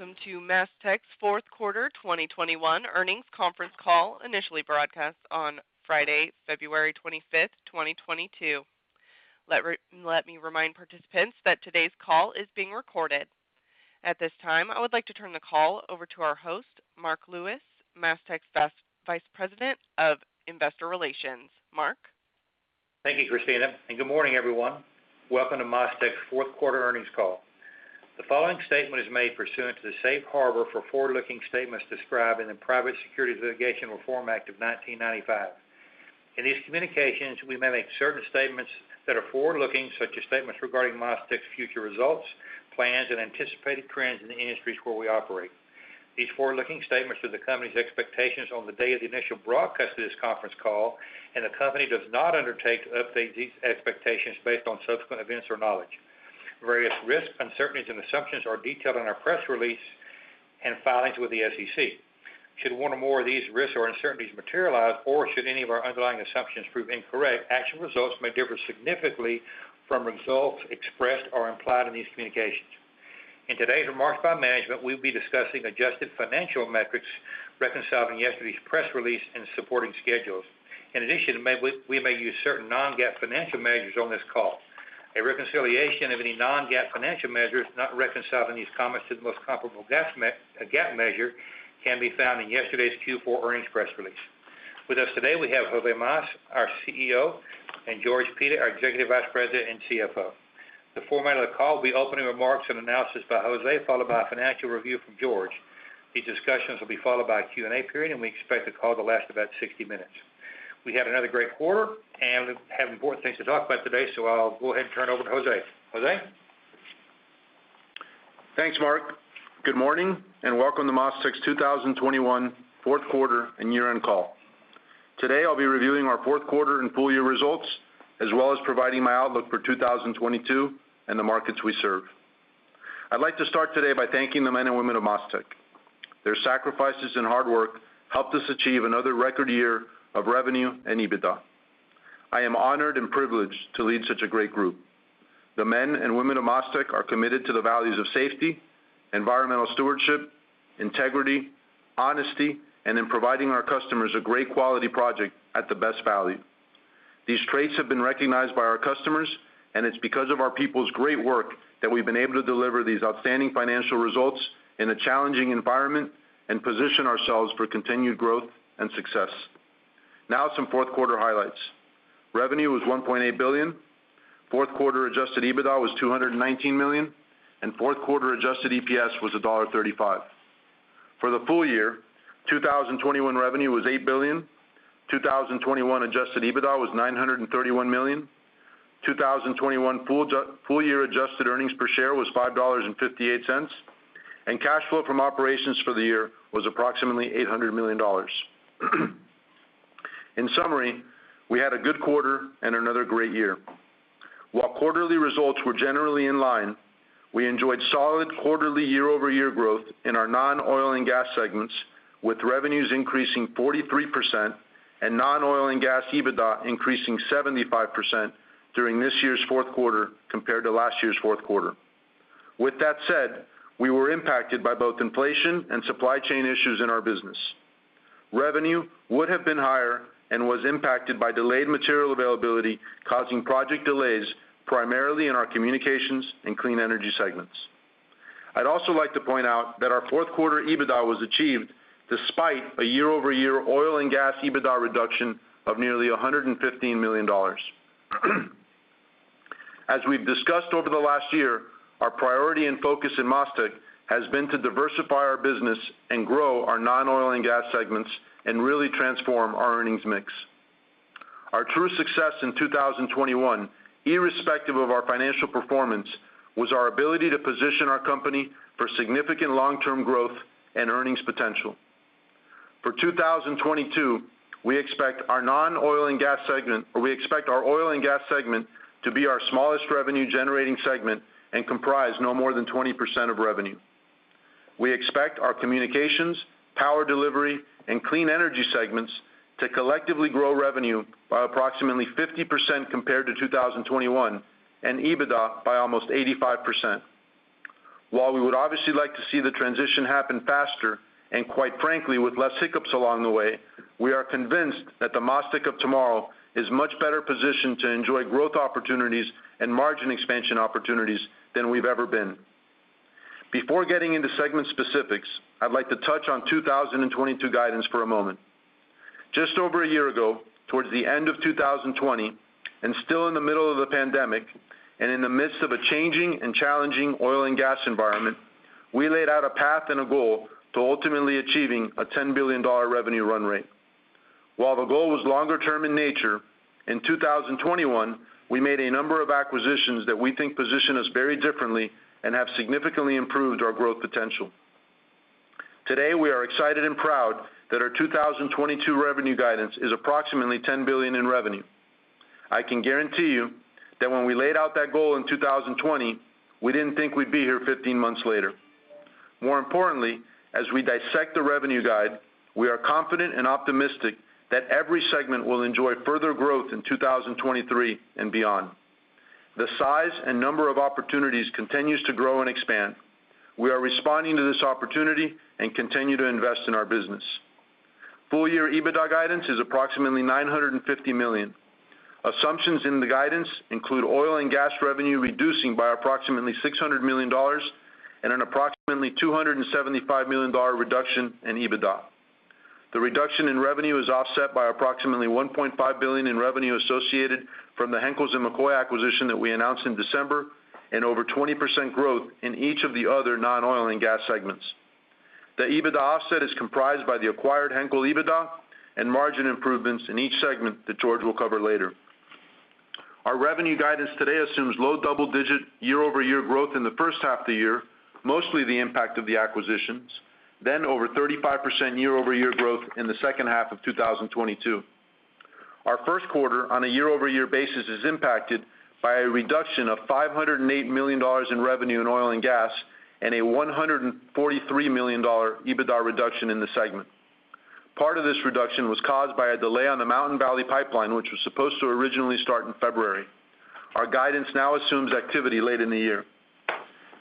Welcome to MasTec's fourth quarter 2021 earnings conference call, initially broadcast on Friday, February 25, 2022. Let me remind participants that today's call is being recorded. At this time, I would like to turn the call over to our host, Marc Lewis, MasTec's Vice President of Investor Relations. Marc? Thank you, Christina, and good morning, everyone. Welcome to MasTec's fourth quarter earnings call. The following statement is made pursuant to the safe harbor for forward-looking statements described in the Private Securities Litigation Reform Act of 1995. In these Communications, we may make certain statements that are forward-looking, such as statements regarding MasTec's future results, plans, and anticipated trends in the industries where we operate. These forward-looking statements are the company's expectations on the day of the initial broadcast of this conference call, and the company does not undertake to update these expectations based on subsequent events or knowledge. Various risks, uncertainties, and assumptions are detailed in our press release and filings with the SEC. Should one or more of these risks or uncertainties materialize or should any of our underlying assumptions prove incorrect, actual results may differ significantly from results expressed or implied in these Communications. In today's remarks by management, we'll be discussing adjusted financial metrics reconciling yesterday's press release and supporting schedules. In addition, we may use certain non-GAAP financial measures on this call. A reconciliation of any non-GAAP financial measures not reconciled in these comments to the most comparable GAAP measure can be found in yesterday's Q4 earnings press release. With us today, we have José Mas, our CEO, and George Pita, our Executive Vice President and CFO. The format of the call will be opening remarks and analysis by José, followed by a financial review from George. These discussions will be followed by a Q&A period, and we expect the call to last about 60 minutes. We had another great quarter, and we have important things to talk about today, so I'll go ahead and turn it over to José. José? Thanks, Marc. Good morning, and welcome to MasTec's 2021 fourth quarter and year-end call. Today, I'll be reviewing our fourth quarter and full year results, as well as providing my outlook for 2022 and the markets we serve. I'd like to start today by thanking the men and women of MasTec. Their sacrifices and hard work helped us achieve another record year of revenue and EBITDA. I am honored and privileged to lead such a great group. The men and women of MasTec are committed to the values of safety, environmental stewardship, integrity, honesty, and in providing our customers a great quality project at the best value. These traits have been recognized by our customers, and it's because of our people's great work that we've been able to deliver these outstanding financial results in a challenging environment and position ourselves for continued growth and success. Now some fourth quarter highlights. Revenue was $1.8 billion. Fourth quarter Adjusted EBITDA was $219 million, and fourth quarter Adjusted EPS was $1.35. For the full year, 2021 revenue was $8 billion. 2021 Adjusted EBITDA was $931 million. 2021 full year adjusted earnings per share was $5.58, and cash flow from operations for the year was approximately $800 million. In summary, we had a good quarter and another great year. While quarterly results were generally in line, we enjoyed solid quarterly year-over-year growth in our non-Oil & Gas segments, with revenues increasing 43% and non-Oil & Gas EBITDA increasing 75% during this year's fourth quarter compared to last year's fourth quarter. With that said, we were impacted by both inflation and supply chain issues in our business. Revenue would have been higher and was impacted by delayed material availability, causing project delays primarily in our Communications and Clean Energy segments. I'd also like to point out that our fourth quarter EBITDA was achieved despite a year-over-year Oil & Gas EBITDA reduction of nearly $115 million. As we've discussed over the last year, our priority and focus in MasTec has been to diversify our business and grow our non-Oil & Gas segments and really transform our earnings mix. Our true success in 2021, irrespective of our financial performance, was our ability to position our company for significant long-term growth and earnings potential. For 2022, we expect our Oil & Gas segment to be our smallest revenue-generating segment and comprise no more than 20% of revenue. We expect our Communications, Power Delivery, and Clean Energy segments to collectively grow revenue by approximately 50% compared to 2021 and EBITDA by almost 85%. While we would obviously like to see the transition happen faster and quite frankly with less hiccups along the way, we are convinced that the MasTec of tomorrow is much better positioned to enjoy growth opportunities and margin expansion opportunities than we've ever been. Before getting into segment specifics, I'd like to touch on 2022 guidance for a moment. Just over a year ago, towards the end of 2020 and still in the middle of the pandemic and in the midst of a changing and challenging Oil & Gas environment, we laid out a path and a goal to ultimately achieving a $10 billion revenue run rate. While the goal was longer term in nature, in 2021, we made a number of acquisitions that we think position us very differently and have significantly improved our growth potential. Today, we are excited and proud that our 2022 revenue guidance is approximately $10 billion in revenue. I can guarantee you that when we laid out that goal in 2020, we didn't think we'd be here 15 months later. More importantly, as we dissect the revenue guide, we are confident and optimistic that every segment will enjoy further growth in 2023 and beyond. The size and number of opportunities continues to grow and expand. We are responding to this opportunity and continue to invest in our business. Full year EBITDA guidance is approximately $950 million. Assumptions in the guidance include Oil & Gas revenue reducing by approximately $600 million and an approximately $275 million reduction in EBITDA. The reduction in revenue is offset by approximately $1.5 billion in revenue associated from the Henkels & McCoy acquisition that we announced in December and over 20% growth in each of the other non-Oil & Gas segments. The EBITDA offset is comprised by the acquired Henkels EBITDA and margin improvements in each segment that George will cover later. Our revenue guidance today assumes low double-digit year-over-year growth in the first half of the year, mostly the impact of the acquisitions, then over 35% year-over-year growth in the second half of 2022. Our first quarter on a year-over-year basis is impacted by a reduction of $508 million in revenue in Oil & Gas and a $143 million EBITDA reduction in the segment. Part of this reduction was caused by a delay on the Mountain Valley Pipeline, which was supposed to originally start in February. Our guidance now assumes activity late in the year.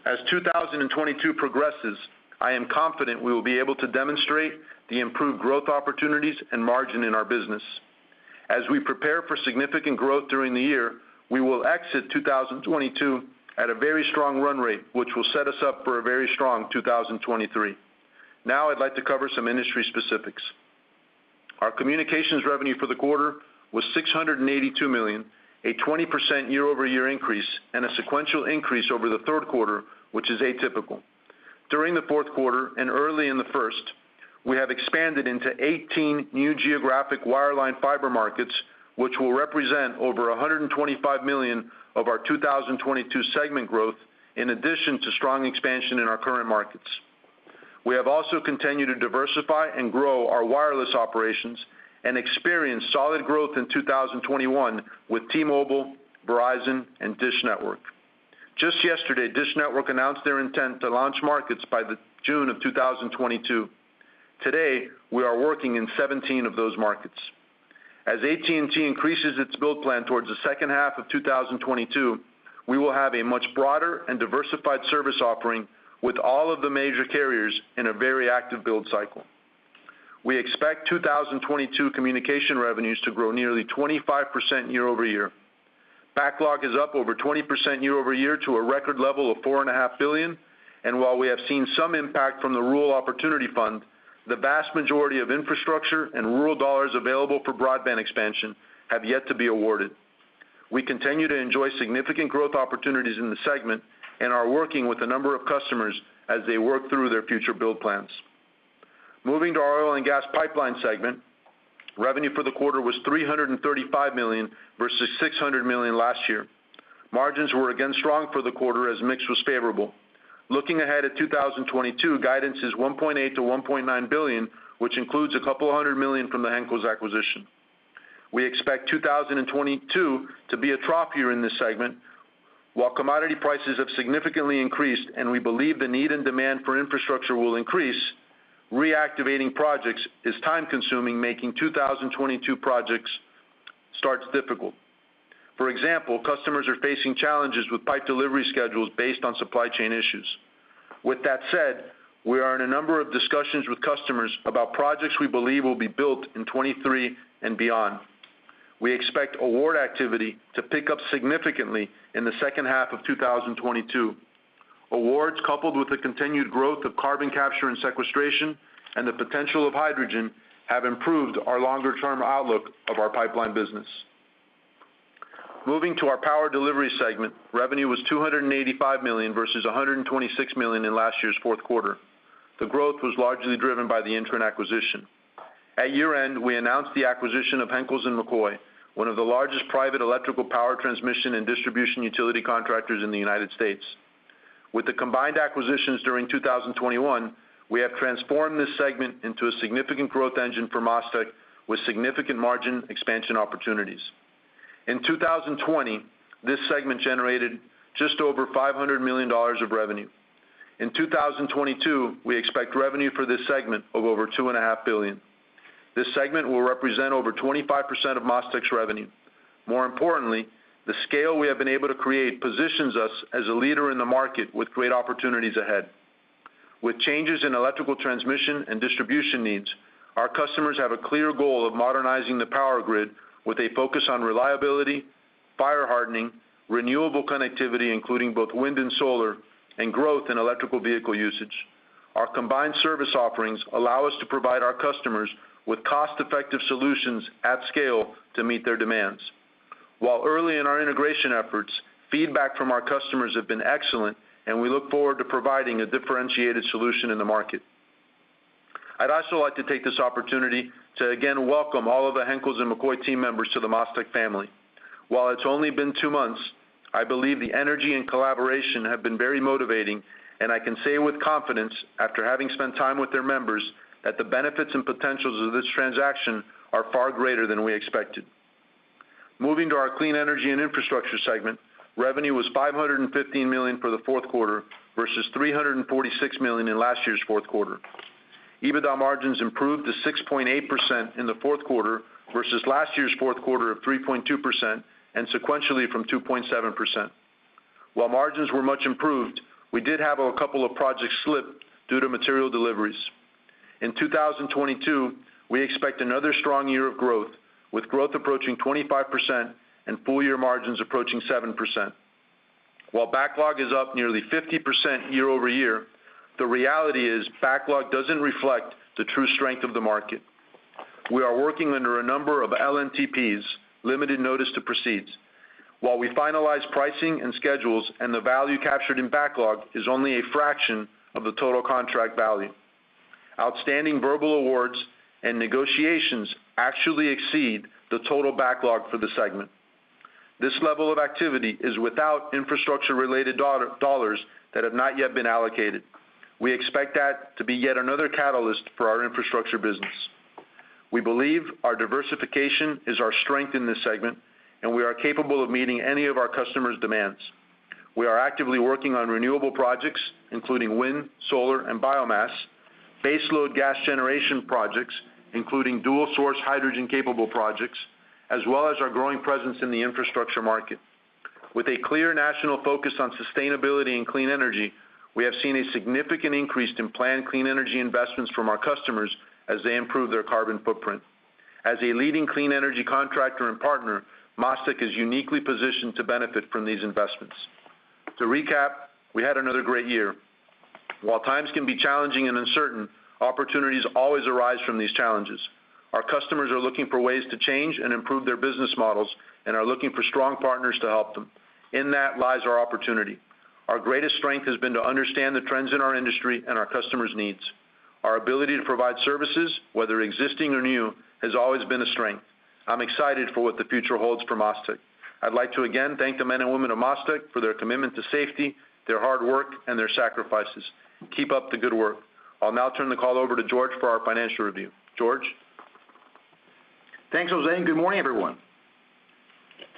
As 2022 progresses, I am confident we will be able to demonstrate the improved growth opportunities and margin in our business. As we prepare for significant growth during the year, we will exit 2022 at a very strong run rate, which will set us up for a very strong 2023. Now I'd like to cover some industry specifics. Our Communications revenue for the quarter was $682 million, a 20% year-over-year increase and a sequential increase over the third quarter, which is atypical. During the fourth quarter and early in the first, we have expanded into 18 new geographic wireline fiber markets, which will represent over $125 million of our 2022 segment growth in addition to strong expansion in our current markets. We have also continued to diversify and grow our wireless operations and experienced solid growth in 2021 with T-Mobile, Verizon, and DISH Network. Just yesterday, DISH Network announced their intent to launch markets by June 2022. Today, we are working in 17 of those markets. As AT&T increases its build plan towards the second half of 2022, we will have a much broader and diversified service offering with all of the major carriers in a very active build cycle. We expect 2022 Communication revenues to grow nearly 25% year-over-year. Backlog is up over 20% year-over-year to a record level of $4.5 billion. While we have seen some impact from the Rural Digital Opportunity Fund, the vast majority of infrastructure and rural dollars available for broadband expansion have yet to be awarded. We continue to enjoy significant growth opportunities in the segment and are working with a number of customers as they work through their future build plans. Moving to our Oil & Gas pipeline segment, revenue for the quarter was $335 million versus $600 million last year. Margins were again strong for the quarter as mix was favorable. Looking ahead at 2022, guidance is $1.8 billion-$1.9 billion, which includes a couple of hundred million from the Henkels acquisition. We expect 2022 to be a trough year in this segment. While commodity prices have significantly increased, and we believe the need and demand for infrastructure will increase, reactivating projects is time-consuming, making 2022 project starts difficult. For example, customers are facing challenges with pipe delivery schedules based on supply chain issues. With that said, we are in a number of discussions with customers about projects we believe will be built in 2023 and beyond. We expect award activity to pick up significantly in the second half of 2022. Awards, coupled with the continued growth of carbon capture and sequestration and the potential of hydrogen, have improved our longer-term outlook of our pipeline business. Moving to our Power Delivery segment, revenue was $285 million versus $126 million in last year's fourth quarter. The growth was largely driven by the INTREN acquisition. At year-end, we announced the acquisition of Henkels & McCoy, one of the largest private electrical power transmission and distribution utility contractors in the United States. With the combined acquisitions during 2021, we have transformed this segment into a significant growth engine for MasTec with significant margin expansion opportunities. In 2020, this segment generated just over $500 million of revenue. In 2022, we expect revenue for this segment of over $2.5 billion. This segment will represent over 25% of MasTec's revenue. More importantly, the scale we have been able to create positions us as a leader in the market with great opportunities ahead. With changes in electrical transmission and distribution needs, our customers have a clear goal of modernizing the power grid with a focus on reliability, fire hardening, renewable connectivity, including both wind and solar, and growth in electric vehicle usage. Our combined service offerings allow us to provide our customers with cost-effective solutions at scale to meet their demands. While early in our integration efforts, feedback from our customers have been excellent, and we look forward to providing a differentiated solution in the market. I'd also like to take this opportunity to again welcome all of the Henkels & McCoy team members to the MasTec family. While it's only been two months, I believe the energy and collaboration have been very motivating, and I can say with confidence, after having spent time with their members, that the benefits and potentials of this transaction are far greater than we expected. Moving to our Clean Energy and infrastructure segment, revenue was $515 million for the fourth quarter versus $346 million in last year's fourth quarter. EBITDA margins improved to 6.8% in the fourth quarter versus last year's fourth quarter of 3.2% and sequentially from 2.7%. While margins were much improved, we did have a couple of projects slip due to material deliveries. In 2022, we expect another strong year of growth, with growth approaching 25% and full year margins approaching 7%. While backlog is up nearly 50% year-over-year, the reality is backlog doesn't reflect the true strength of the market. We are working under a number of LNTPs, limited notice to proceed, while we finalize pricing and schedules, and the value captured in backlog is only a fraction of the total contract value. Outstanding verbal awards and negotiations actually exceed the total backlog for the segment. This level of activity is without infrastructure-related dollars that have not yet been allocated. We expect that to be yet another catalyst for our infrastructure business. We believe our diversification is our strength in this segment, and we are capable of meeting any of our customers' demands. We are actively working on renewable projects, including wind, solar, and biomass, baseload gas generation projects, including dual-source hydrogen-capable projects, as well as our growing presence in the infrastructure market. With a clear national focus on sustainability and Clean Energy, we have seen a significant increase in planned Clean Energy investments from our customers as they improve their carbon footprint. As a leading Clean Energy contractor and partner, MasTec is uniquely positioned to benefit from these investments. To recap, we had another great year. While times can be challenging and uncertain, opportunities always arise from these challenges. Our customers are looking for ways to change and improve their business models and are looking for strong partners to help them. In that lies our opportunity. Our greatest strength has been to understand the trends in our industry and our customers' needs. Our ability to provide services, whether existing or new, has always been a strength. I'm excited for what the future holds for MasTec. I'd like to again thank the men and women of MasTec for their commitment to safety, their hard work, and their sacrifices. Keep up the good work. I'll now turn the call over to George for our financial review. George? Thanks, José, and good morning, everyone.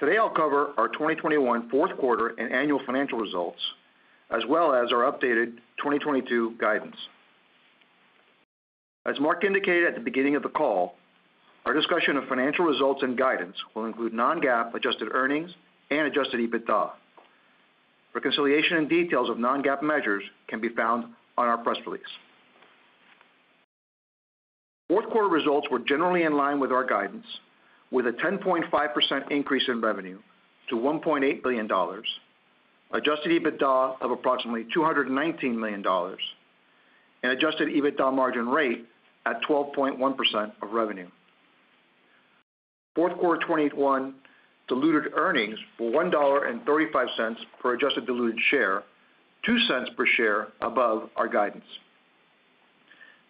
Today, I'll cover our 2021 fourth quarter and annual financial results, as well as our updated 2022 guidance. As Marc indicated at the beginning of the call, our discussion of financial results and guidance will include non-GAAP adjusted earnings and Adjusted EBITDA. Reconciliation and details of non-GAAP measures can be found on our press release. Fourth quarter results were generally in line with our guidance, with a 10.5% increase in revenue to $1.8 billion, Adjusted EBITDA of approximately $219 million, and Adjusted EBITDA margin rate at 12.1% of revenue. Fourth quarter 2021 diluted earnings of $1.35 per adjusted diluted share, $0.02 per share above our guidance.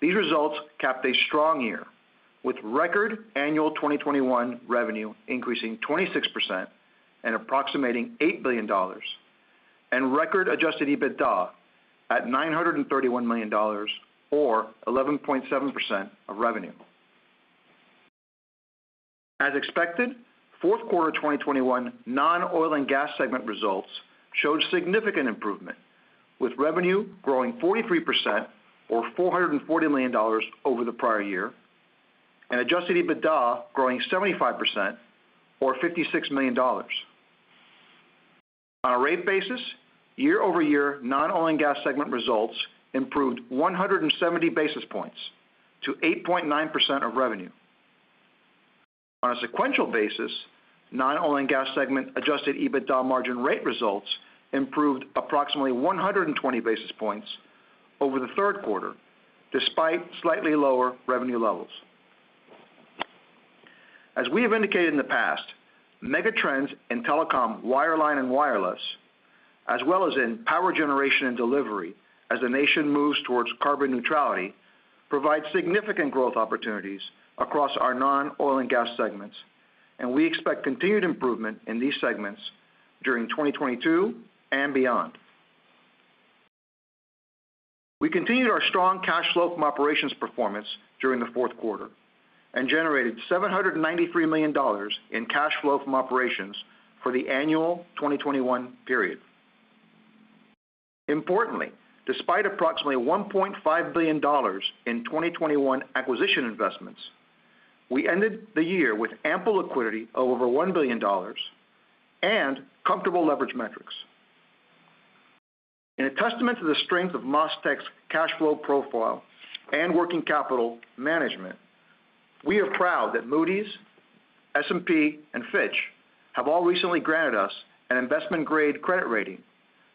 These results capped a strong year, with record annual 2021 revenue increasing 26% and approximating $8 billion, and record Adjusted EBITDA at $931 million or 11.7% of revenue. As expected, fourth quarter 2021 non-Oil & Gas segment results showed significant improvement, with revenue growing 43% or $440 million over the prior year, and Adjusted EBITDA growing 75% or $56 million. On a rate basis, year-over-year non-Oil & Gas segment results improved 170 basis points to 8.9% of revenue. On a sequential basis, non-Oil & Gas segment Adjusted EBITDA margin rate results improved approximately 120 basis points over the third quarter, despite slightly lower revenue levels. As we have indicated in the past, megatrends in telecom wireline and wireless, as well as in power generation and delivery as the nation moves towards carbon neutrality, provide significant growth opportunities across our non-Oil & Gas segments, and we expect continued improvement in these segments during 2022 and beyond. We continued our strong cash flow from operations performance during the fourth quarter and generated $793 million in cash flow from operations for the annual 2021 period. Importantly, despite approximately $1.5 billion in 2021 acquisition investments, we ended the year with ample liquidity of over $1 billion and comfortable leverage metrics. In a testament to the strength of MasTec's cash flow profile and working capital management, we are proud that Moody's, S&P, and Fitch have all recently granted us an investment-grade credit rating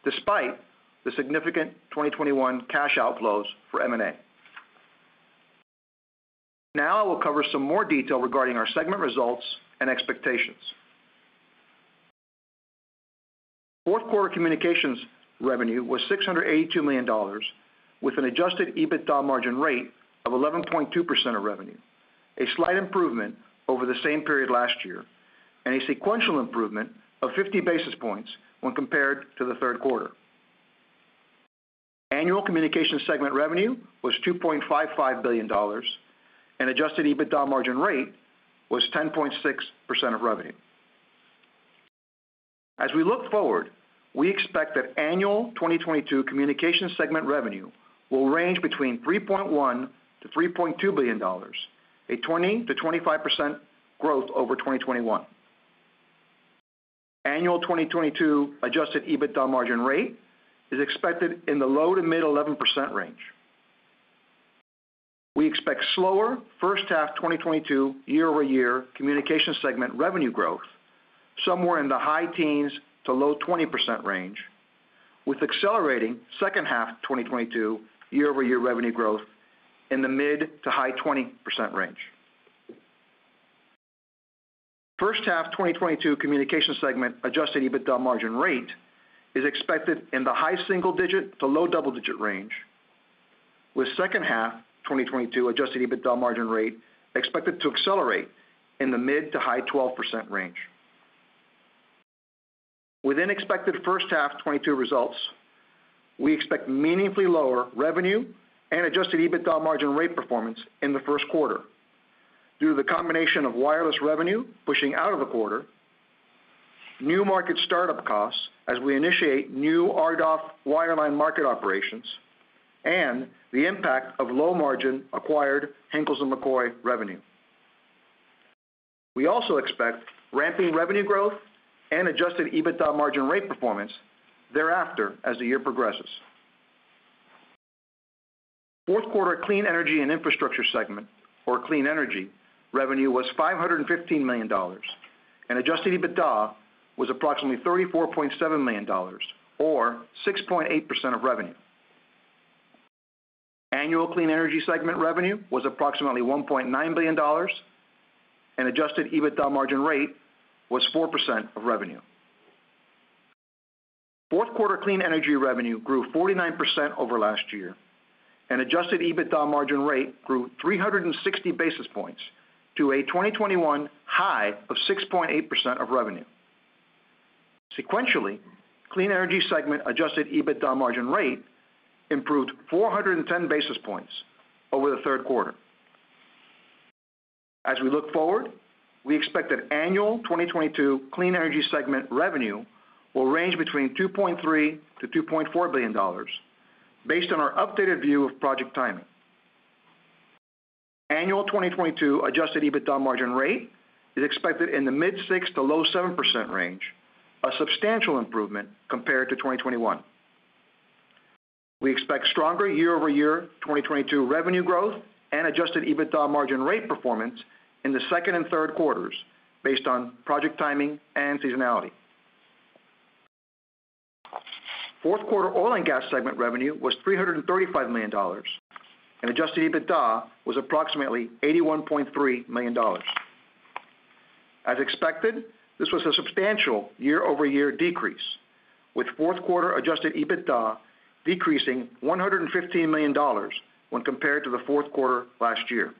despite the significant 2021 cash outflows for M&A. Now I will cover some more detail regarding our segment results and expectations. Fourth quarter Communications revenue was $682 million with an Adjusted EBITDA margin rate of 11.2% of revenue, a slight improvement over the same period last year, and a sequential improvement of 50 basis points when compared to the third quarter. Annual Communications segment revenue was $2.55 billion and Adjusted EBITDA margin rate was 10.6% of revenue. We look forward, we expect that annual 2022 Communications segment revenue will range between $3.1 billion-$3.2 billion, a 20%-25% growth over 2021. Annual 2022 Adjusted EBITDA margin rate is expected in the low to mid-11% range. We expect slower first half 2022 year-over-year Communication segment revenue growth, somewhere in the high teens to low 20% range, with accelerating second half 2022 year-over-year revenue growth in the mid- to high 20% range. First half 2022 Communication segment Adjusted EBITDA margin rate is expected in the high single digit to low double-digit range, with second half 2022 Adjusted EBITDA margin rate expected to accelerate in the mid- to high 12% range. Within expected first half 2022 results, we expect meaningfully lower revenue and Adjusted EBITDA margin rate performance in the first quarter due to the combination of wireless revenue pushing out of the quarter, new market startup costs as we initiate new RDOF wireline market operations, and the impact of low margin acquired Henkels & McCoy revenue. We also expect ramping revenue growth and Adjusted EBITDA margin rate performance thereafter as the year progresses. Fourth quarter Clean Energy and Infrastructure segment or Clean Energy revenue was $515 million and Adjusted EBITDA was approximately $34.7 million or 6.8% of revenue. Annual Clean Energy segment revenue was approximately $1.9 billion and Adjusted EBITDA margin rate was 4% of revenue. Fourth quarter Clean Energy revenue grew 49% over last year, and Adjusted EBITDA margin rate grew 360 basis points to a 2021 high of 6.8% of revenue. Sequentially, Clean Energy segment Adjusted EBITDA margin rate improved 410 basis points over the third quarter. As we look forward, we expect that annual 2022 Clean Energy segment revenue will range between $2.3 billion-$2.4 billion based on our updated view of project timing. Annual 2022 Adjusted EBITDA margin rate is expected in the mid-6% to low-7% range, a substantial improvement compared to 2021. We expect stronger year-over-year 2022 revenue growth and Adjusted EBITDA margin rate performance in the second and third quarters based on project timing and seasonality. Fourth quarter Oil & Gas segment revenue was $335 million and Adjusted EBITDA was approximately $81.3 million. As expected, this was a substantial year-over-year decrease, with fourth quarter Adjusted EBITDA decreasing $115 million when compared to the fourth quarter last year.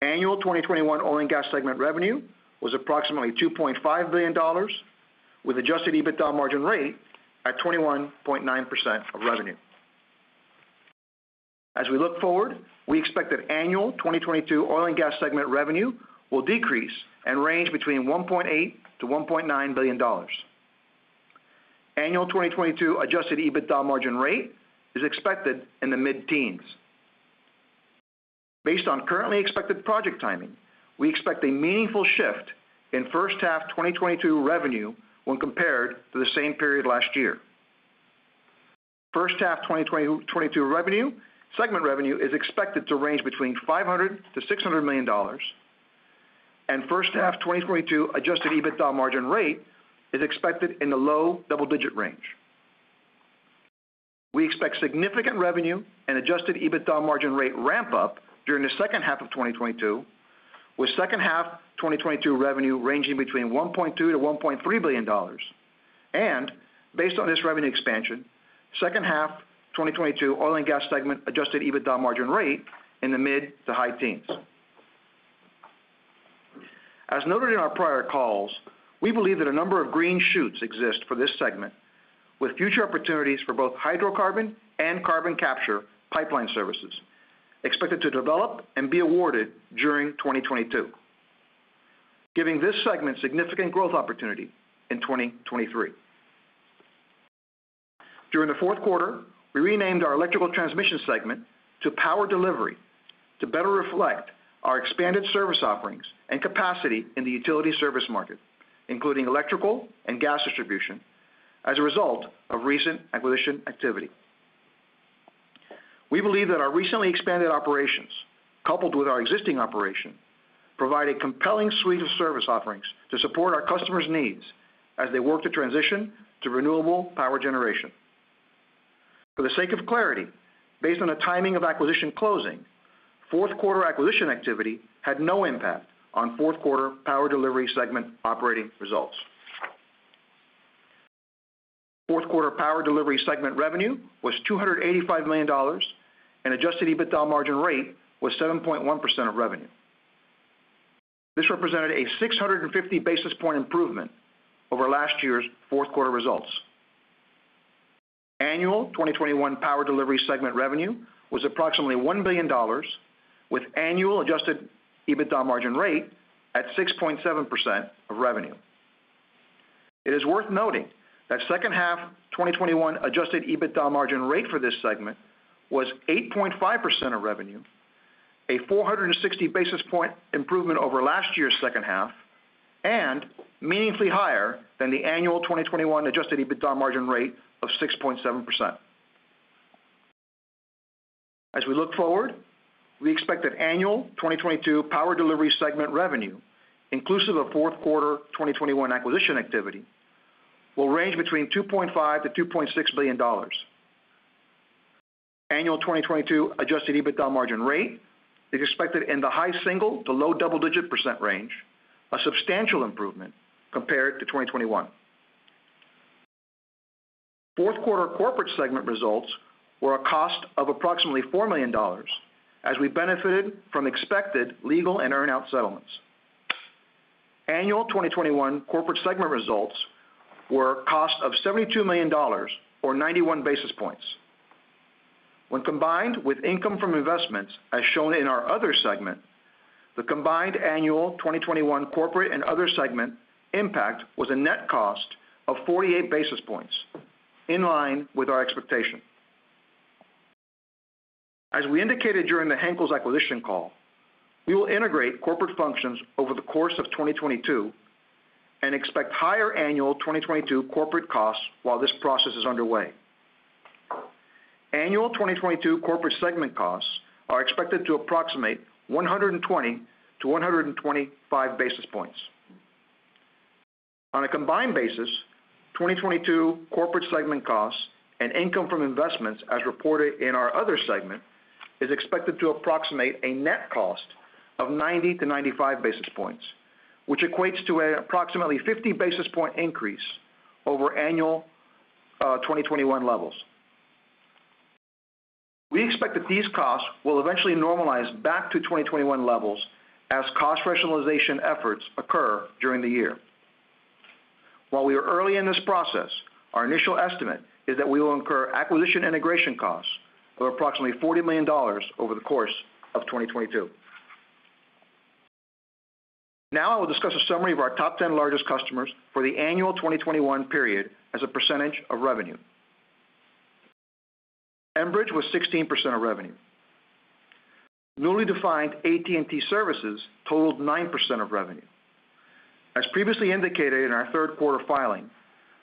2021 Oil & Gas segment revenue was approximately $2.5 billion, with Adjusted EBITDA margin rate at 21.9% of revenue. As we look forward, we expect that 2022 Oil & Gas segment revenue will decrease and range between $1.8 billion-$1.9 billion. 2022 Adjusted EBITDA margin rate is expected in the mid-teens. Based on currently expected project timing, we expect a meaningful shift in first half 2022 revenue when compared to the same period last year. First half 2022 segment revenue is expected to range between $500 million-$600 million and first half 2022 Adjusted EBITDA margin rate is expected in the low double-digit range. We expect significant revenue and Adjusted EBITDA margin rate ramp up during the second half of 2022, with second half 2022 revenue ranging between $1.2 billion-$1.3 billion. Based on this revenue expansion, second half 2022 Oil & Gas segment Adjusted EBITDA margin rate in the mid- to high-teens. As noted in our prior calls, we believe that a number of green shoots exist for this segment, with future opportunities for both hydrocarbon and carbon capture pipeline services expected to develop and be awarded during 2022, giving this segment significant growth opportunity in 2023. During the fourth quarter, we renamed our electrical transmission segment to Power Delivery to better reflect our expanded service offerings and capacity in the utility service market, including electrical and gas distribution as a result of recent acquisition activity. We believe that our recently expanded operations, coupled with our existing operation, provide a compelling suite of service offerings to support our customers' needs as they work to transition to renewable power generation. For the sake of clarity, based on the timing of acquisition closing, fourth quarter acquisition activity had no impact on fourth quarter Power Delivery segment operating results. Fourth quarter Power Delivery segment revenue was $285 million, and Adjusted EBITDA margin rate was 7.1% of revenue. This represented a 650 basis point improvement over last year's fourth quarter results. Annual 2021 Power Delivery segment revenue was approximately $1 billion, with annual Adjusted EBITDA margin rate at 6.7% of revenue. It is worth noting that second half 2021 Adjusted EBITDA margin rate for this segment was 8.5% of revenue, a 460 basis point improvement over last year's second half, and meaningfully higher than the annual 2021 Adjusted EBITDA margin rate of 6.7%. As we look forward, we expect that annual 2022 Power Delivery segment revenue, inclusive of fourth quarter 2021 acquisition activity, will range between $2.5 billion-$2.6 billion. Annual 2022 Adjusted EBITDA margin rate is expected in the high single- to low double-digit % range, a substantial improvement compared to 2021. Fourth quarter corporate segment results were a cost of approximately $4 million as we benefited from expected legal and earn-out settlements. Annual 2021 corporate segment results were a cost of $72 million or 91 basis points. When combined with income from investments as shown in our other segment, the combined annual 2021 corporate and other segment impact was a net cost of 48 basis points, in line with our expectation. As we indicated during the Henkels acquisition call, we will integrate corporate functions over the course of 2022 and expect higher annual 2022 corporate costs while this process is underway. Annual 2022 corporate segment costs are expected to approximate 120-125 basis points. On a combined basis, 2022 corporate segment costs and income from investments as reported in our other segment is expected to approximate a net cost of 90-95 basis points, which equates to an approximately 50 basis point increase over annual 2021 levels. We expect that these costs will eventually normalize back to 2021 levels as cost rationalization efforts occur during the year. While we are early in this process, our initial estimate is that we will incur acquisition integration costs of approximately $40 million over the course of 2022. Now I will discuss a summary of our top 10 largest customers for the annual 2021 period as a percentage of revenue. Enbridge was 16% of revenue. Newly defined AT&T services totaled 9% of revenue. As previously indicated in our third quarter filing,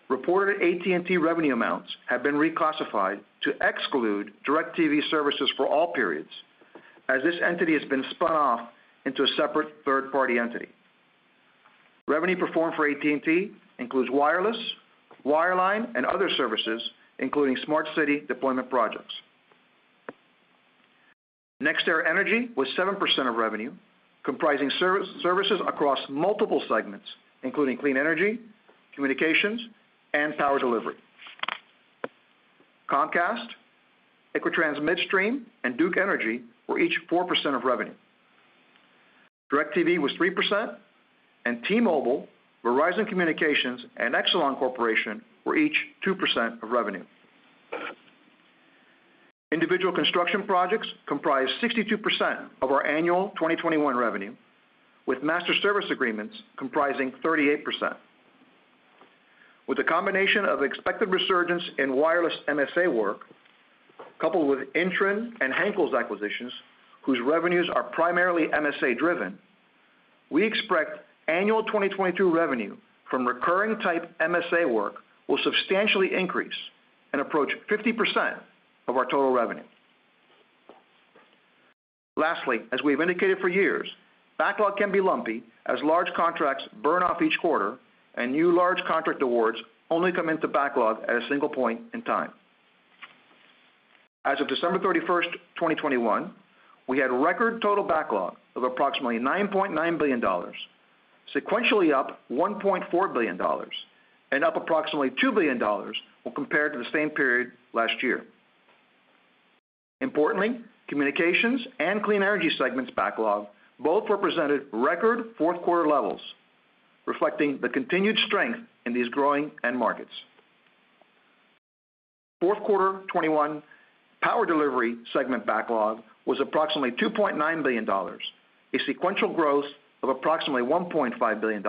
reported AT&T revenue amounts have been reclassified to exclude DIRECTV services for all periods, as this entity has been spun off into a separate third-party entity. Revenue performed for AT&T includes wireless, wireline, and other services, including smart city deployment projects. NextEra Energy was 7% of revenue, comprising services across multiple segments, including Clean Energy, Communications, and Power Delivery. Comcast, Equitrans Midstream, and Duke Energy were each 4% of revenue. DIRECTV was 3%, and T-Mobile, Verizon Communications, and Exelon Corporation were each 2% of revenue. Individual construction projects comprised 62% of our annual 2021 revenue, with master service agreements comprising 38%. With the combination of expected resurgence in wireless MSA work, coupled with INTREN and Henkels acquisitions, whose revenues are primarily MSA-driven, we expect annual 2022 revenue from recurring type MSA work will substantially increase and approach 50% of our total revenue. Lastly, as we have indicated for years, backlog can be lumpy as large contracts burn off each quarter and new large contract awards only come into backlog at a single point in time. As of December 31st, 2021, we had record total backlog of approximately $9.9 billion, sequentially up $1.4 billion and up approximately $2 billion when compared to the same period last year. Importantly, Communications and Clean Energy segments backlog both represented record fourth quarter levels, reflecting the continued strength in these growing end markets. Fourth quarter 2021 Power Delivery segment backlog was approximately $2.9 billion, a sequential growth of approximately $1.5 billion,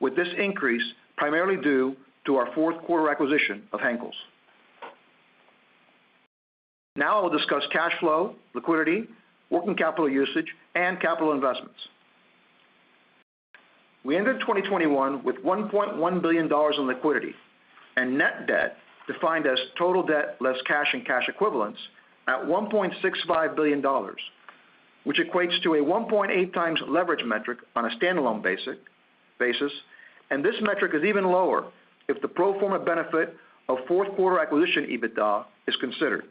with this increase primarily due to our fourth quarter acquisition of Henkels. Now I will discuss cash flow, liquidity, working capital usage, and capital investments. We ended 2021 with $1.1 billion in liquidity and net debt defined as total debt less cash and cash equivalents at $1.65 billion, which equates to a 1.8x leverage metric on a standalone basis, and this metric is even lower if the pro forma benefit of fourth quarter acquisition EBITDA is considered.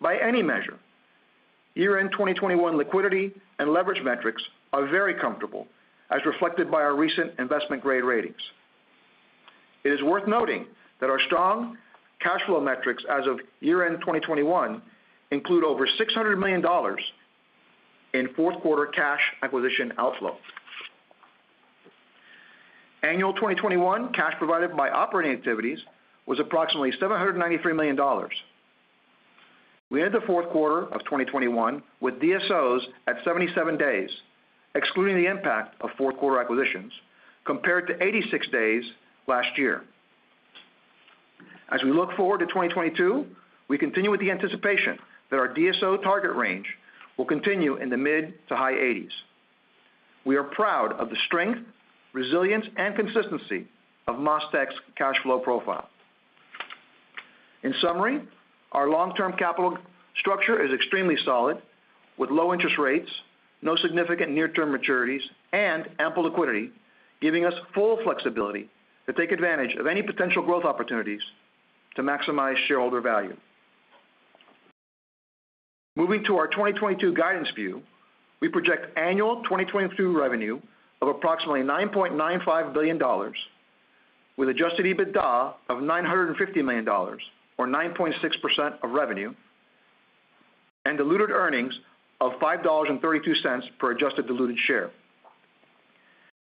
By any measure, year-end 2021 liquidity and leverage metrics are very comfortable as reflected by our recent investment-grade ratings. It is worth noting that our strong cash flow metrics as of year-end 2021 include over $600 million in fourth quarter cash acquisition outflow. Annual 2021 cash provided by operating activities was approximately $793 million. We ended the fourth quarter of 2021 with DSOs at 77 days, excluding the impact of fourth quarter acquisitions, compared to 86 days last year. As we look forward to 2022, we continue with the anticipation that our DSO target range will continue in the mid- to high 80s. We are proud of the strength, resilience, and consistency of MasTec's cash flow profile. In summary, our long-term capital structure is extremely solid with low interest rates, no significant near-term maturities, and ample liquidity, giving us full flexibility to take advantage of any potential growth opportunities to maximize shareholder value. Moving to our 2022 guidance view, we project annual 2022 revenue of approximately $9.95 billion with Adjusted EBITDA of $950 million or 9.6% of revenue, and diluted earnings of $5.32 per adjusted diluted share.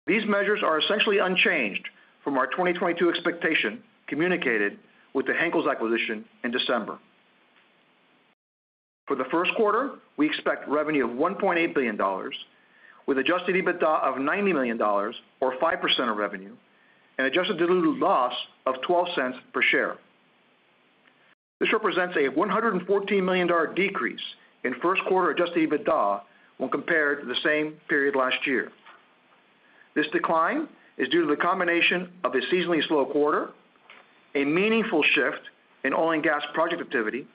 These measures are essentially unchanged from our 2022 expectation communicated with the Henkels acquisition in December. For the first quarter, we expect revenue of $1.8 billion with Adjusted EBITDA of $90 million or 5% of revenue, and adjusted diluted loss of $0.12 per share. This represents a $114 million decrease in first quarter Adjusted EBITDA when compared to the same period last year. This decline is due to the combination of a seasonally slow quarter, a meaningful shift in Oil & Gas project activity,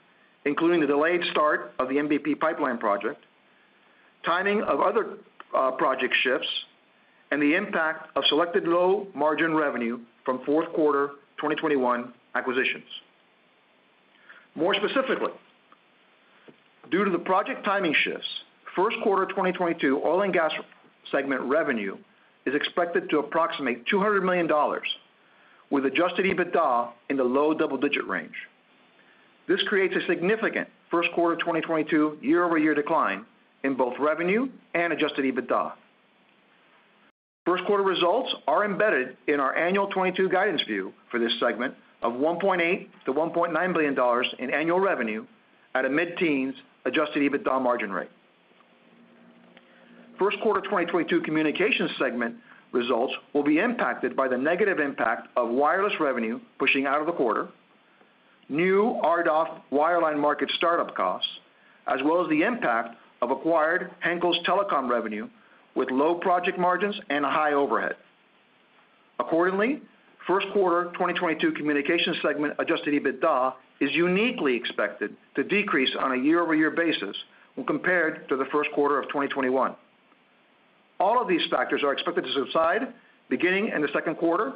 including the delayed start of the MVP pipeline project, timing of other project shifts, and the impact of selected low-margin revenue from fourth quarter 2021 acquisitions. More specifically, due to the project timing shifts, first quarter 2022 Oil & Gas segment revenue is expected to approximate $200 million with Adjusted EBITDA in the low double-digit range. This creates a significant first quarter 2022 year-over-year decline in both revenue and Adjusted EBITDA. First quarter results are embedded in our annual 2022 guidance view for this segment of $1.8 billion-$1.9 billion in annual revenue at a mid-teens Adjusted EBITDA margin rate. First quarter 2022 Communications segment results will be impacted by the negative impact of wireless revenue pushing out of the quarter, new RDOF wireline market startup costs, as well as the impact of acquired Henkels Telecom revenue with low project margins and a high overhead. Accordingly, first quarter 2022 Communications segment Adjusted EBITDA is uniquely expected to decrease on a year-over-year basis when compared to the first quarter of 2021. All of these factors are expected to subside beginning in the second quarter,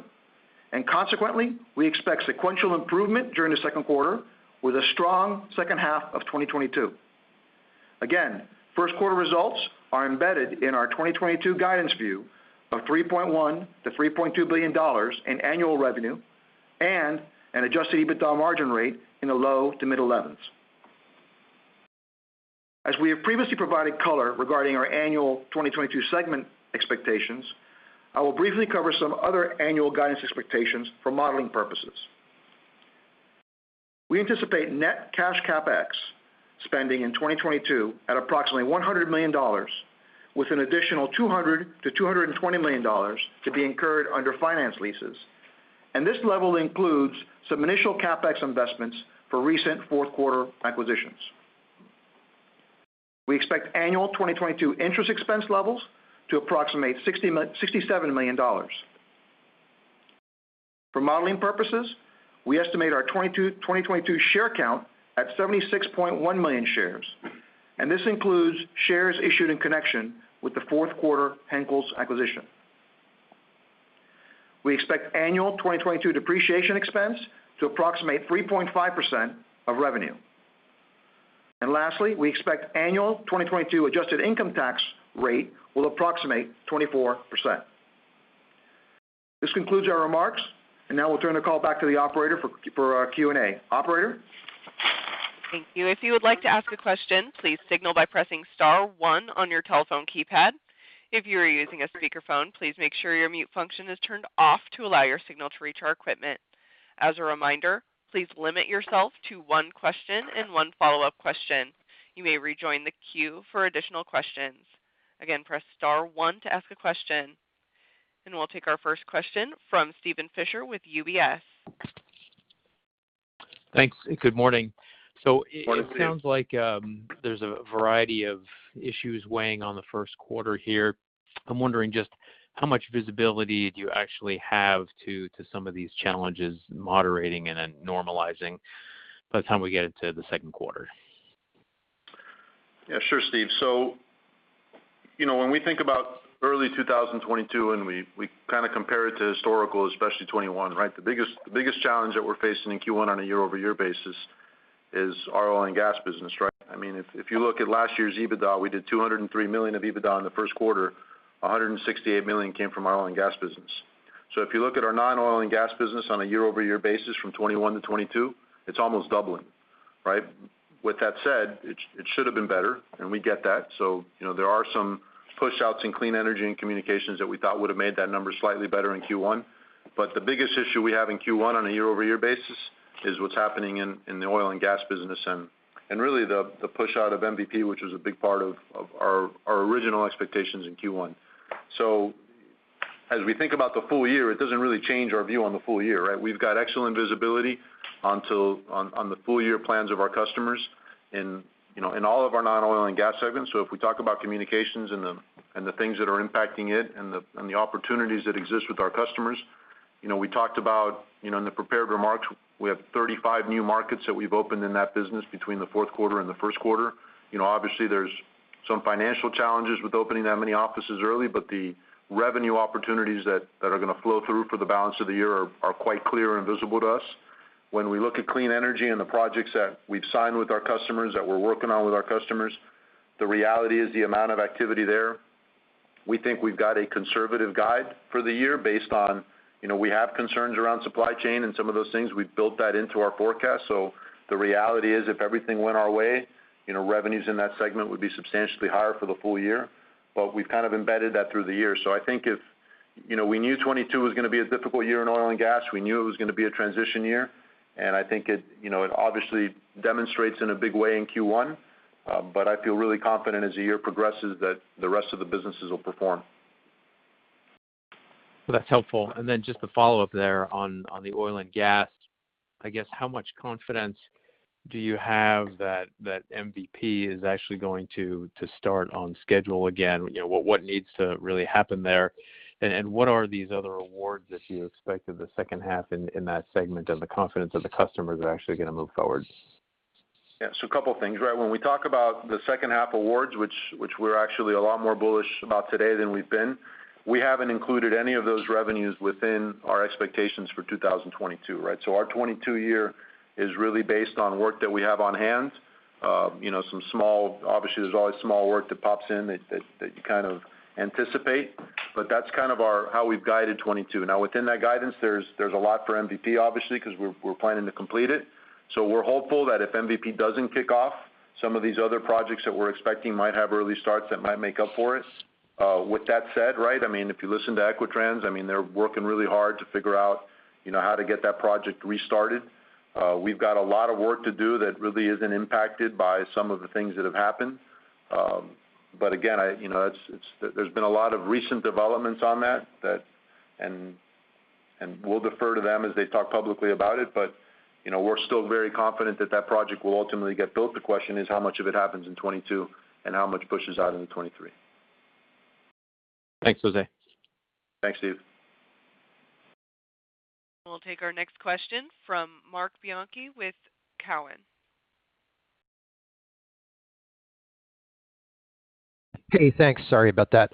and consequently, we expect sequential improvement during the second quarter with a strong second half of 2022. First quarter results are embedded in our 2022 guidance view of $3.1 billion-$3.2 billion in annual revenue and an Adjusted EBITDA margin rate in the low- to mid-11s. As we have previously provided color regarding our annual 2022 segment expectations, I will briefly cover some other annual guidance expectations for modeling purposes. We anticipate net cash CapEx spending in 2022 at approximately $100 million, with an additional $200 million-$220 million to be incurred under finance leases. This level includes some initial CapEx investments for recent fourth quarter acquisitions. We expect annual 2022 interest expense levels to approximate $67 million. For modeling purposes, we estimate our 2022 share count at 76.1 million shares, and this includes shares issued in connection with the fourth quarter Henkels acquisition. We expect annual 2022 depreciation expense to approximate 3.5% of revenue. Lastly, we expect annual 2022 adjusted income tax rate will approximate 24%. This concludes our remarks, and now we'll turn the call back to the operator for our Q&A. Operator? Thank you. If you would like to ask a question, please signal by pressing star one on your telephone keypad. If you are using a speakerphone, please make sure your mute function is turned off to allow your signal to reach our equipment. As a reminder, please limit yourself to one question and one follow-up question. You may rejoin the queue for additional questions. Again, press star one to ask a question. We'll take our first question from Steven Fisher with UBS. Thanks, and good morning. Morning, Steven. It sounds like there's a variety of issues weighing on the first quarter here. I'm wondering just how much visibility do you actually have to some of these challenges moderating and then normalizing by the time we get into the second quarter? Yeah, sure, Steven. You know, when we think about early 2022, and we kinda compare it to historical, especially 2021, right? The biggest challenge that we're facing in Q1 on a year-over-year basis is our Oil & Gas business, right? I mean, if you look at last year's EBITDA, we did $203 million of EBITDA in the first quarter. $168 million came from our Oil & Gas business. If you look at our non-Oil & Gas business on a year-over-year basis from 2021 to 2022, it's almost doubling. Right? With that said, it should have been better, and we get that. You know, there are some push-outs in Clean Energy and Communications that we thought would have made that number slightly better in Q1. The biggest issue we have in Q1 on a year-over-year basis is what's happening in the Oil & Gas business, and really the push out of MVP, which was a big part of our original expectations in Q1. As we think about the full year, it doesn't really change our view on the full year, right? We've got excellent visibility on the full-year plans of our customers in, you know, in all of our non Oil & Gas segments. If we talk about Communications and the things that are impacting it and the opportunities that exist with our customers, you know, we talked about, you know, in the prepared remarks, we have 35 new markets that we've opened in that business between the fourth quarter and the first quarter. You know, obviously there's some financial challenges with opening that many offices early, but the revenue opportunities that are gonna flow through for the balance of the year are quite clear and visible to us. When we look at Clean Energy and the projects that we've signed with our customers, that we're working on with our customers, the reality is the amount of activity there. We think we've got a conservative guide for the year based on, you know, we have concerns around supply chain and some of those things. We've built that into our forecast. The reality is, if everything went our way, you know, revenues in that segment would be substantially higher for the full year. We've kind of embedded that through the year. I think you know, we knew 2022 was gonna be a difficult year in Oil & Gas. We knew it was gonna be a transition year, and I think it, you know, it obviously demonstrates in a big way in Q1. I feel really confident as the year progresses, that the rest of the businesses will perform. Well, that's helpful. Just to follow up there on the Oil & Gas. I guess, how much confidence do you have that MVP is actually going to start on schedule again? You know, what needs to really happen there, and what are these other awards that you expect in the second half in that segment, and the confidence of the customers are actually gonna move forward? Yeah. A couple things, right? When we talk about the second half awards, which we're actually a lot more bullish about today than we've been, we haven't included any of those revenues within our expectations for 2022, right? Our 2022 year is really based on work that we have on hand. You know, obviously, there's always small work that pops in that you kind of anticipate, but that's kind of how we've guided 2022. Now within that guidance, there's a lot for MVP, obviously, 'cause we're planning to complete it. We're hopeful that if MVP doesn't kick off, some of these other projects that we're expecting might have early starts that might make up for it. With that said, right, I mean, if you listen to Equitrans, I mean, they're working really hard to figure out, you know, how to get that project restarted. We've got a lot of work to do that really isn't impacted by some of the things that have happened. Again, there's been a lot of recent developments on that. We'll defer to them as they talk publicly about it. You know, we're still very confident that that project will ultimately get built. The question is, how much of it happens in 2022 and how much pushes out into 2023. Thanks, José. Thanks, Steven. We'll take our next question from Marc Bianchi with Cowen. Hey, thanks. Sorry about that.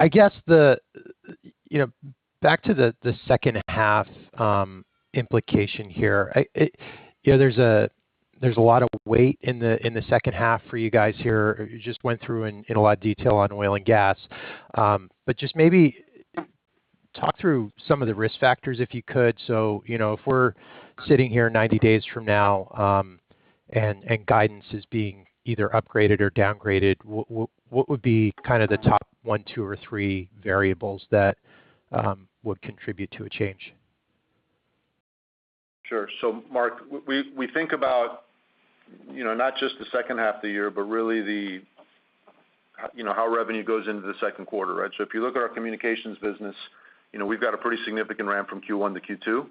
I guess you know, back to the second half implication here. You know, there's a lot of weight in the second half for you guys here. You just went through in a lot of detail on Oil & Gas. But just maybe talk through some of the risk factors, if you could. You know, if we're sitting here 90 days from now, and guidance is being either upgraded or downgraded, what would be kind of the top one, two, or three variables that would contribute to a change? Sure. Marc, we think about, you know, not just the second half of the year, but really how revenue goes into the second quarter, right? If you look at our Communications business, you know, we've got a pretty significant ramp from Q1 to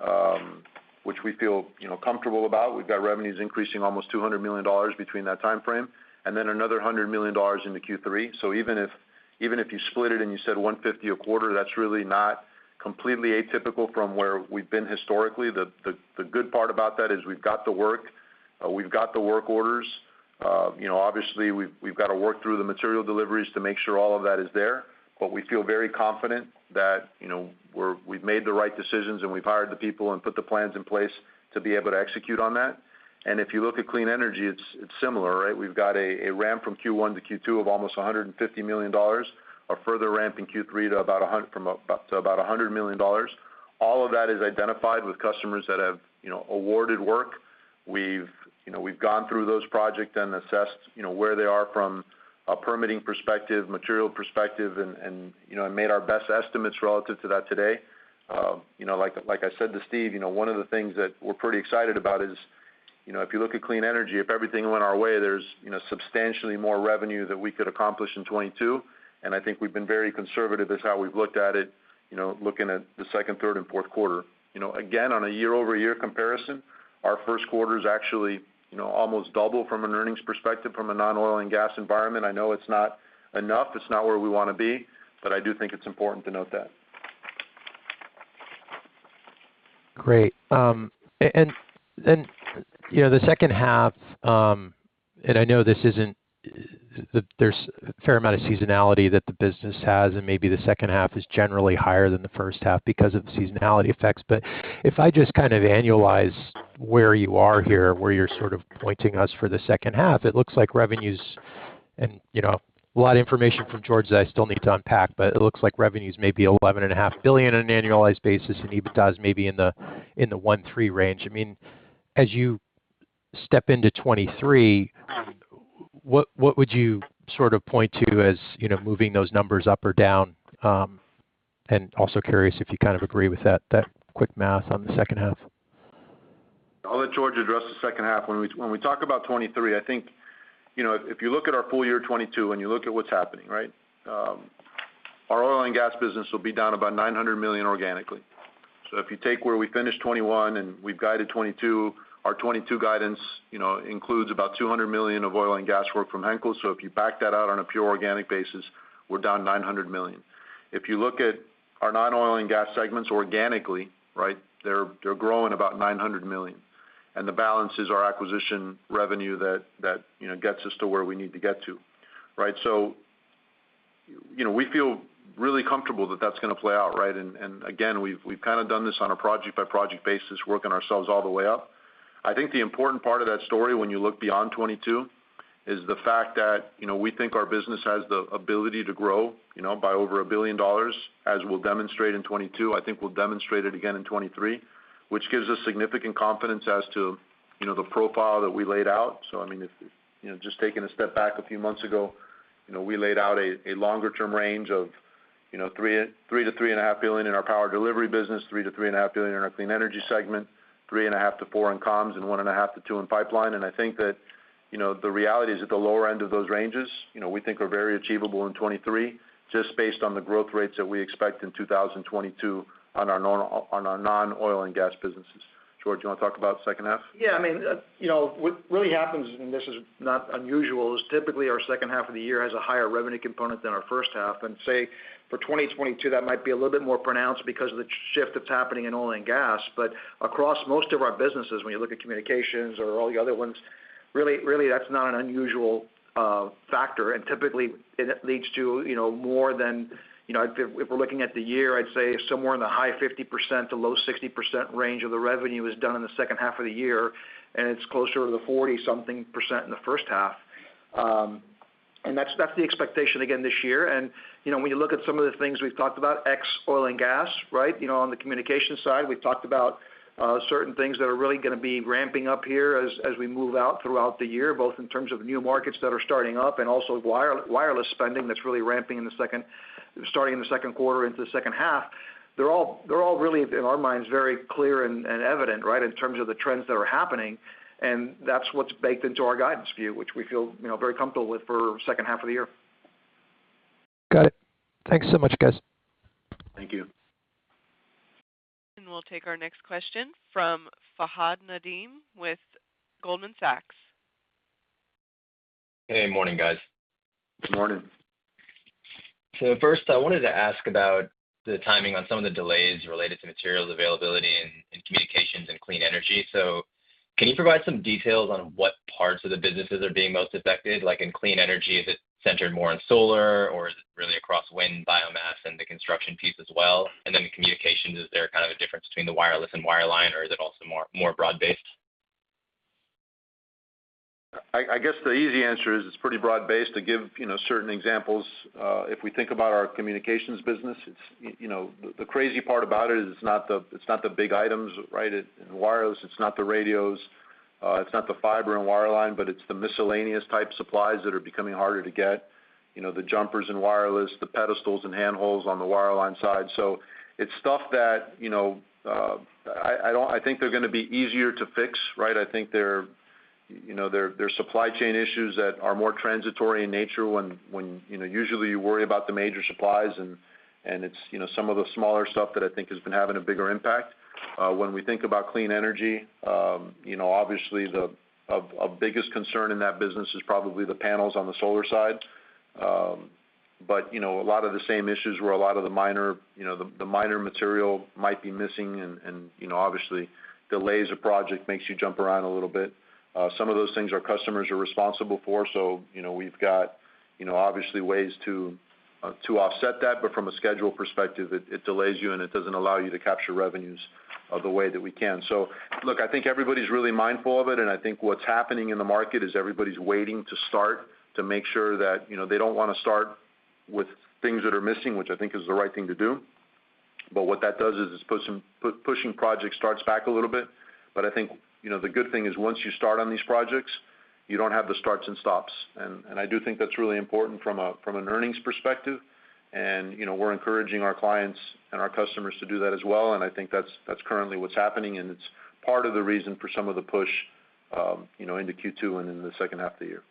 Q2, which we feel, you know, comfortable about. We've got revenues increasing almost $200 million between that timeframe, and then another $100 million into Q3. Even if you split it and you said $150 million a quarter, that's really not completely atypical from where we've been historically. The good part about that is we've got the work, we've got the work orders. You know, obviously we've got to work through the material deliveries to make sure all of that is there. We feel very confident that, you know, we've made the right decisions and we've hired the people and put the plans in place to be able to execute on that. If you look at Clean Energy, it's similar, right? We've got a ramp from Q1 to Q2 of almost $150 million. A further ramp in Q3 to about $100 million. All of that is identified with customers that have, you know, awarded work. We've, you know, gone through those projects and assessed, you know, where they are from a permitting perspective, material perspective, and you know and made our best estimates relative to that today. You know, like I said to Steve, you know, one of the things that we're pretty excited about is, you know, if you look at Clean Energy, if everything went our way, there's, you know, substantially more revenue that we could accomplish in 2022, and I think we've been very conservative in how we've looked at it, you know, looking at the second, third, and fourth quarter. You know, again, on a year-over-year comparison, our first quarter is actually, you know, almost double from an earnings perspective from a non-Oil & Gas environment. I know it's not enough, it's not where we wanna be, but I do think it's important to note that. Great. You know, the second half, I know this isn't. There's a fair amount of seasonality that the business has, and maybe the second half is generally higher than the first half because of the seasonality effects. If I just kind of annualize where you are here, where you're sort of pointing us for the second half, it looks like revenues. You know, a lot of information from George that I still need to unpack, but it looks like revenues may be $11.5 billion on an annualized basis, and EBITDA may be in the $1.3 billion range. I mean, as you step into 2023, what would you sort of point to as, you know, moving those numbers up or down? Also curious if you kind of agree with that quick math on the second half. I'll let George address the second half. When we talk about 2023, I think, you know, if you look at our full year 2022 and you look at what's happening, right? Our Oil & Gas business will be down about $900 million organically. If you take where we finished 2021 and we've guided 2022, our 2022 guidance, you know, includes about $200 million of Oil & Gas work from Henkels. If you back that out on a pure organic basis, we're down $900 million. If you look at our non-Oil & Gas segments organically, right? They're growing about $900 million. The balance is our acquisition revenue that, you know, gets us to where we need to get to, right? You know, we feel really comfortable that that's gonna play out, right? Again, we've kind of done this on a project-by-project basis, working ourselves all the way up. I think the important part of that story when you look beyond 2022 is the fact that, you know, we think our business has the ability to grow, you know, by over $1 billion, as we'll demonstrate in 2022. I think we'll demonstrate it again in 2023, which gives us significant confidence as to, you know, the profile that we laid out. I mean, if, you know, just taking a step back a few months ago, you know, we laid out a longer term range of, you know, $3 billion-$3.5 billion in our Power Delivery business, $3 billion-$3.5 billion in our Clean Energy segment, $3.5 billion-$4 billion in comms, and $1.5 billion-$2 billion in pipeline. I think that, you know, the reality is at the lower end of those ranges, you know, we think are very achievable in 2023, just based on the growth rates that we expect in 2022 on our non-Oil & Gas businesses. George, you wanna talk about second half? Yeah, I mean, you know, what happens, and this is not unusual, is typically our second half of the year has a higher revenue component than our first half. Say, for 2022, that might be a little bit more pronounced because of the shift that's happening in Oil & Gas. Across most of our businesses, when you look at Communications or all the other ones, really that's not an unusual factor. Typically it leads to, you know, more than, you know, if we're looking at the year, I'd say somewhere in the high 50%-low 60% range of the revenue is done in the second half of the year, and it's closer to the 40-something% in the first half. That's the expectation again this year. You know, when you look at some of the things we've talked about, ex Oil & Gas, right? You know, on the Communication side, we've talked about certain things that are really gonna be ramping up here as we move out throughout the year, both in terms of new markets that are starting up and also wireless spending that's really ramping starting in the second quarter into the second half. They're all really, in our minds, very clear and evident, right? In terms of the trends that are happening, and that's what's baked into our guidance view, which we feel, you know, very comfortable with for second half of the year. Got it. Thanks so much, guys. Thank you. We'll take our next question from Fahad Nadeem with Goldman Sachs. Hey, morning guys. Good morning. First I wanted to ask about the timing on some of the delays related to materials availability in Communications and Clean Energy. Can you provide some details on what parts of the businesses are being most affected? Like in Clean Energy, is it centered more on solar, or is it really across wind, biomass, and the construction piece as well? Then in Communications, is there kind of a difference between the wireless and wireline, or is it also more broad-based? I guess the easy answer is it's pretty broad-based. To give you know certain examples, if we think about our Communications business, you know, the crazy part about it is it's not the big items, right? In wireless, it's not the radios, it's not the fiber and wireline, but it's the miscellaneous type supplies that are becoming harder to get. You know, the jumpers in wireless, the pedestals and hand holes on the wireline side. So it's stuff that you know I think they're gonna be easier to fix, right? I think they're you know supply chain issues that are more transitory in nature when you know usually you worry about the major supplies and it's you know some of the smaller stuff that I think has been having a bigger impact. When we think about Clean Energy, you know, obviously the biggest concern in that business is probably the panels on the solar side. But, you know, a lot of the same issues where a lot of the minor material might be missing and, you know, obviously delays a project, makes you jump around a little bit. Some of those things our customers are responsible for, so, you know, we've got ways to offset that. But from a schedule perspective, it delays you and it doesn't allow you to capture revenues the way that we can. Look, I think everybody's really mindful of it, and I think what's happening in the market is everybody's waiting to start to make sure that, you know, they don't wanna start with things that are missing, which I think is the right thing to do. What that does is it's pushing project starts back a little bit. I think, you know, the good thing is once you start on these projects, you don't have the starts and stops. I do think that's really important from an earnings perspective. We're encouraging our clients and our customers to do that as well, and I think that's currently what's happening, and it's part of the reason for some of the push, you know, into Q2 and into the second half of the year.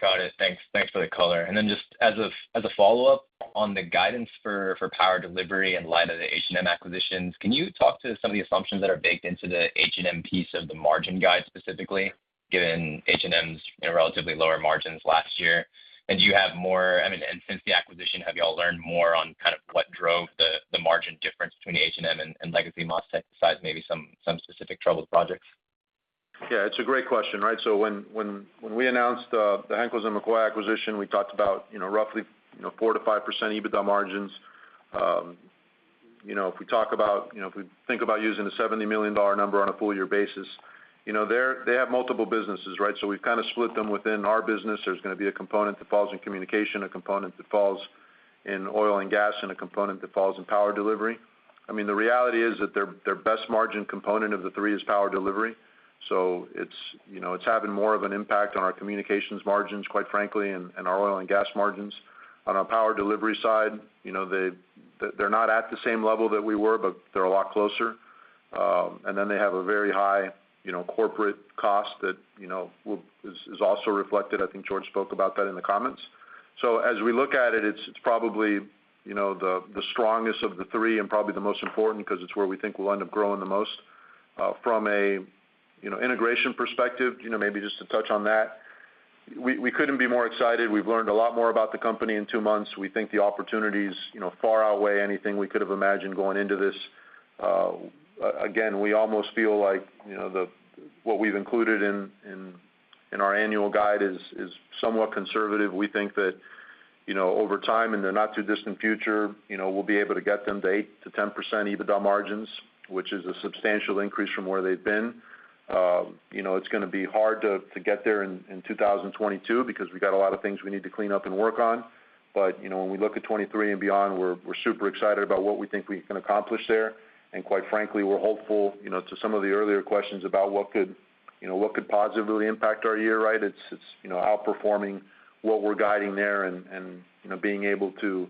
Got it. Thanks. Thanks for the color. Then just as a follow-up on the guidance for Power Delivery in light of the H&M acquisitions, can you talk to some of the assumptions that are baked into the H&M piece of the margin guide specifically, given H&M's, you know, relatively lower margins last year? Do you have more, I mean, and since the acquisition, have you all learned more on kind of what drove the margin difference between H&M and legacy MasTec, besides maybe some specific troubled projects? Yeah, it's a great question, right? When we announced the Henkels & McCoy acquisition, we talked about, you know, roughly, you know, 4%-5% EBITDA margins. You know, if we talk about, you know, if we think about using the $70 million number on a full year basis, you know, they have multiple businesses, right? We've kind of split them within our business. There's gonna be a component that falls in Communications, a component that falls in Oil & Gas, and a component that falls in Power Delivery. I mean, the reality is that their best margin component of the three is Power Delivery. It's, you know, it's having more of an impact on our Communications margins, quite frankly, and our Oil & Gas margins. On our Power Delivery side, they're not at the same level that we were, but they're a lot closer. They have a very high corporate cost that is also reflected. I think George spoke about that in the comments. As we look at it's probably the strongest of the three and probably the most important 'cause it's where we think we'll end up growing the most. From an integration perspective, maybe just to touch on that, we couldn't be more excited. We've learned a lot more about the company in two months. We think the opportunities far outweigh anything we could have imagined going into this. Again, we almost feel like, you know, what we've included in our annual guide is somewhat conservative. We think that, you know, over time, in the not too distant future, you know, we'll be able to get them to 8%-10% EBITDA margins, which is a substantial increase from where they've been. You know, it's gonna be hard to get there in 2022 because we got a lot of things we need to clean up and work on. You know, when we look at 2023 and beyond, we're super excited about what we think we can accomplish there. Quite frankly, we're hopeful, you know, to some of the earlier questions about what could, you know, what could positively impact our year, right? It's you know, outperforming what we're guiding there and you know, being able to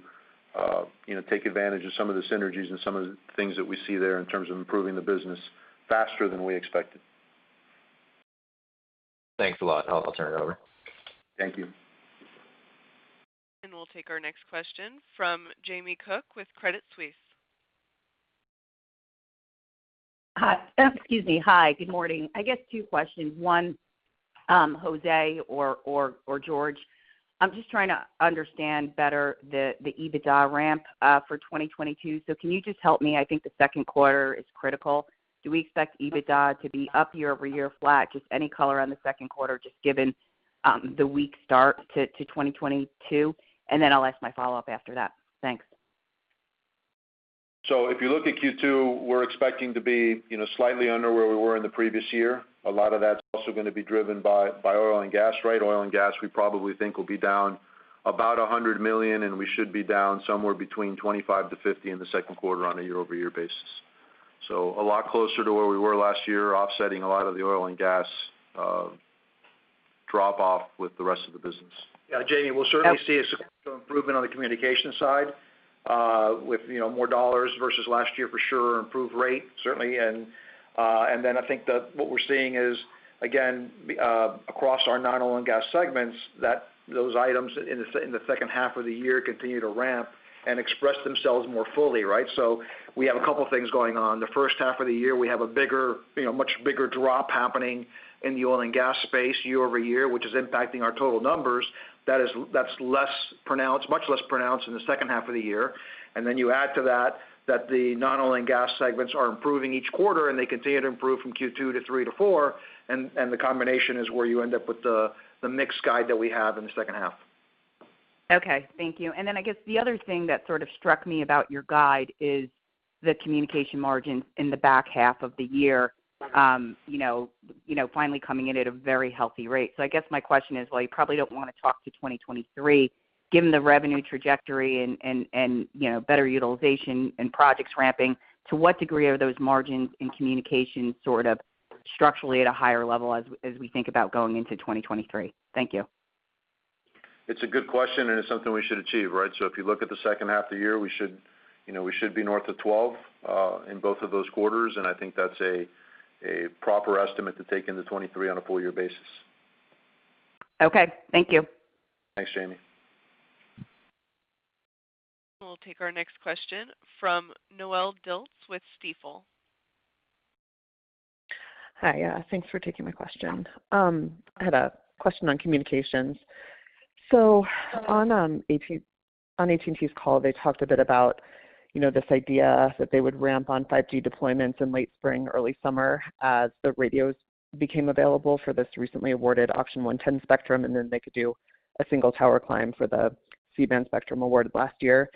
you know, take advantage of some of the synergies and some of the things that we see there in terms of improving the business faster than we expected. Thanks a lot. I'll turn it over. Thank you. We'll take our next question from Jamie Cook with Credit Suisse. Hi. Excuse me. Hi. Good morning. I guess two questions. One, José Mas or George Pita, I'm just trying to understand better the EBITDA ramp for 2022. Can you just help me? I think the second quarter is critical. Do we expect EBITDA to be up year-over-year, flat? Just any color on the second quarter just given the weak start to 2022, and then I'll ask my follow-up after that. Thanks. If you look at Q2, we're expecting to be, you know, slightly under where we were in the previous year. A lot of that's also gonna be driven by Oil & Gas, right? Oil & Gas, we probably think will be down about $100 million, and we should be down somewhere between $25 million-$50 million in the second quarter on a year-over-year basis. A lot closer to where we were last year, offsetting a lot of the Oil & Gas drop off with the rest of the business. Yeah, Jamie, we'll certainly see some improvement on the Communication side with, you know, more dollars versus last year for sure, improved rate, certainly. I think that what we're seeing is, again, across our non-Oil & Gas segments, that those items in the second half of the year continue to ramp and express themselves more fully, right? We have a couple things going on. The first half of the year, we have a bigger, you know, much bigger drop happening in the Oil & Gas space year-over-year, which is impacting our total numbers. That's less pronounced, much less pronounced in the second half of the year. You add to that that the non-Oil & Gas segments are improving each quarter, and they continue to improve from Q2 to Q3 to Q4, and the combination is where you end up with the mix guide that we have in the second half. Okay. Thank you. I guess the other thing that sort of struck me about your guide is the Communications margins in the back half of the year, you know, finally coming in at a very healthy rate. I guess my question is, while you probably don't wanna talk to 2023, given the revenue trajectory and, you know, better utilization and projects ramping, to what degree are those margins and Communications sort of structurally at a higher level as we think about going into 2023? Thank you. It's a good question, and it's something we should achieve, right? If you look at the second half of the year, we should, you know, we should be north of 12 in both of those quarters, and I think that's a proper estimate to take into 2023 on a full year basis. Okay. Thank you. Thanks, Jamie. We'll take our next question from Noelle Dilts with Stifel. Hi. Thanks for taking my question. I had a question on Communications. On AT&T's call, they talked a bit about, you know, this idea that they would ramp on 5G deployments in late spring, early summer as the radios became available for this recently awarded Auction 110 spectrum, and then they could do a single tower climb for the C-band spectrum awarded last year.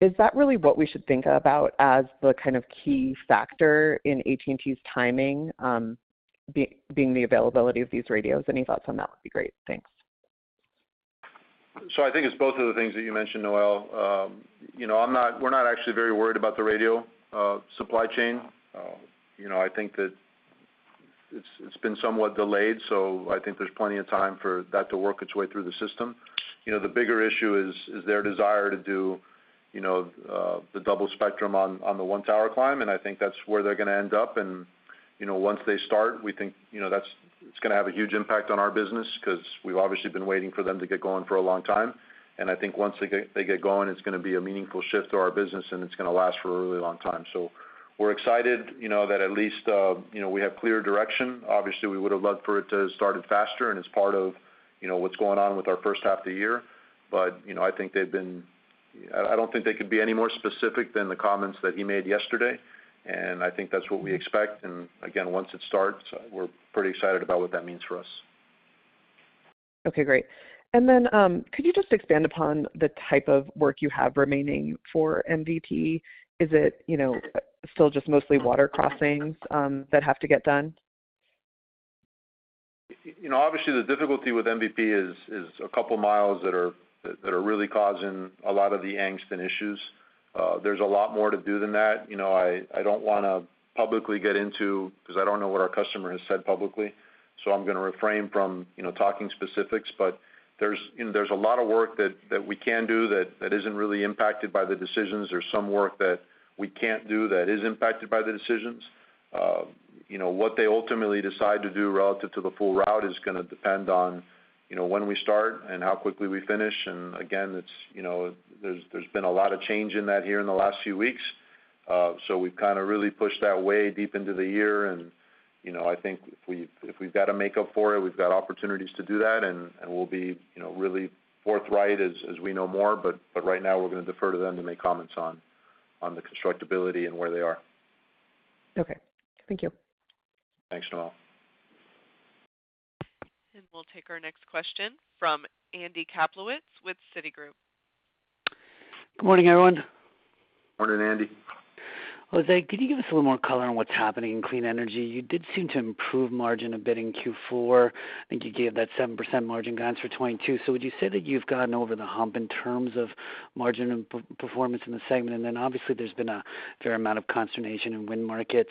Is that really what we should think about as the kind of key factor in AT&T's timing, being the availability of these radios? Any thoughts on that would be great. Thanks. I think it's both of the things that you mentioned, Noelle. You know, we're not actually very worried about the radio supply chain. You know, I think that it's been somewhat delayed, so I think there's plenty of time for that to work its way through the system. You know, the bigger issue is their desire to do, you know, the double spectrum on the one tower climb, and I think that's where they're gonna end up. You know, once they start, we think, you know, it's gonna have a huge impact on our business 'cause we've obviously been waiting for them to get going for a long time. I think once they get going, it's gonna be a meaningful shift to our business, and it's gonna last for a really long time. We're excited, you know, that at least, you know, we have clear direction. Obviously, we would have loved for it to have started faster, and it's part of, you know, what's going on with our first half of the year. You know, I think I don't think they could be any more specific than the comments that he made yesterday, and I think that's what we expect. Again, once it starts, we're pretty excited about what that means for us. Okay, great. Could you just expand upon the type of work you have remaining for MVP? Is it, you know, still just mostly water crossings that have to get done? You know, obviously, the difficulty with MVP is a couple miles that are really causing a lot of the angst and issues. There's a lot more to do than that. You know, I don't wanna publicly get into, 'cause I don't know what our customer has said publicly, so I'm gonna refrain from, you know, talking specifics. But there's, you know, there's a lot of work that we can do that isn't really impacted by the decisions. There's some work that we can't do that is impacted by the decisions. You know, what they ultimately decide to do relative to the full route is gonna depend on, you know, when we start and how quickly we finish. Again, it's, you know, there's been a lot of change in that here in the last few weeks. We've kind of really pushed that way deep into the year, and you know, I think if we've gotta make up for it, we've got opportunities to do that. We'll be, you know, really forthright as we know more. Right now we're gonna defer to them to make comments on the constructability and where they are. Okay. Thank you. Thanks, Noelle. We'll take our next question from Andy Kaplowitz with Citigroup. Good morning, everyone. Morning, Andy. José, could you give us a little more color on what's happening in Clean Energy? You did seem to improve margin a bit in Q4. I think you gave that 7% margin guidance for 2022. Would you say that you've gotten over the hump in terms of margin and peer performance in the segment? Obviously there's been a fair amount of consternation in wind markets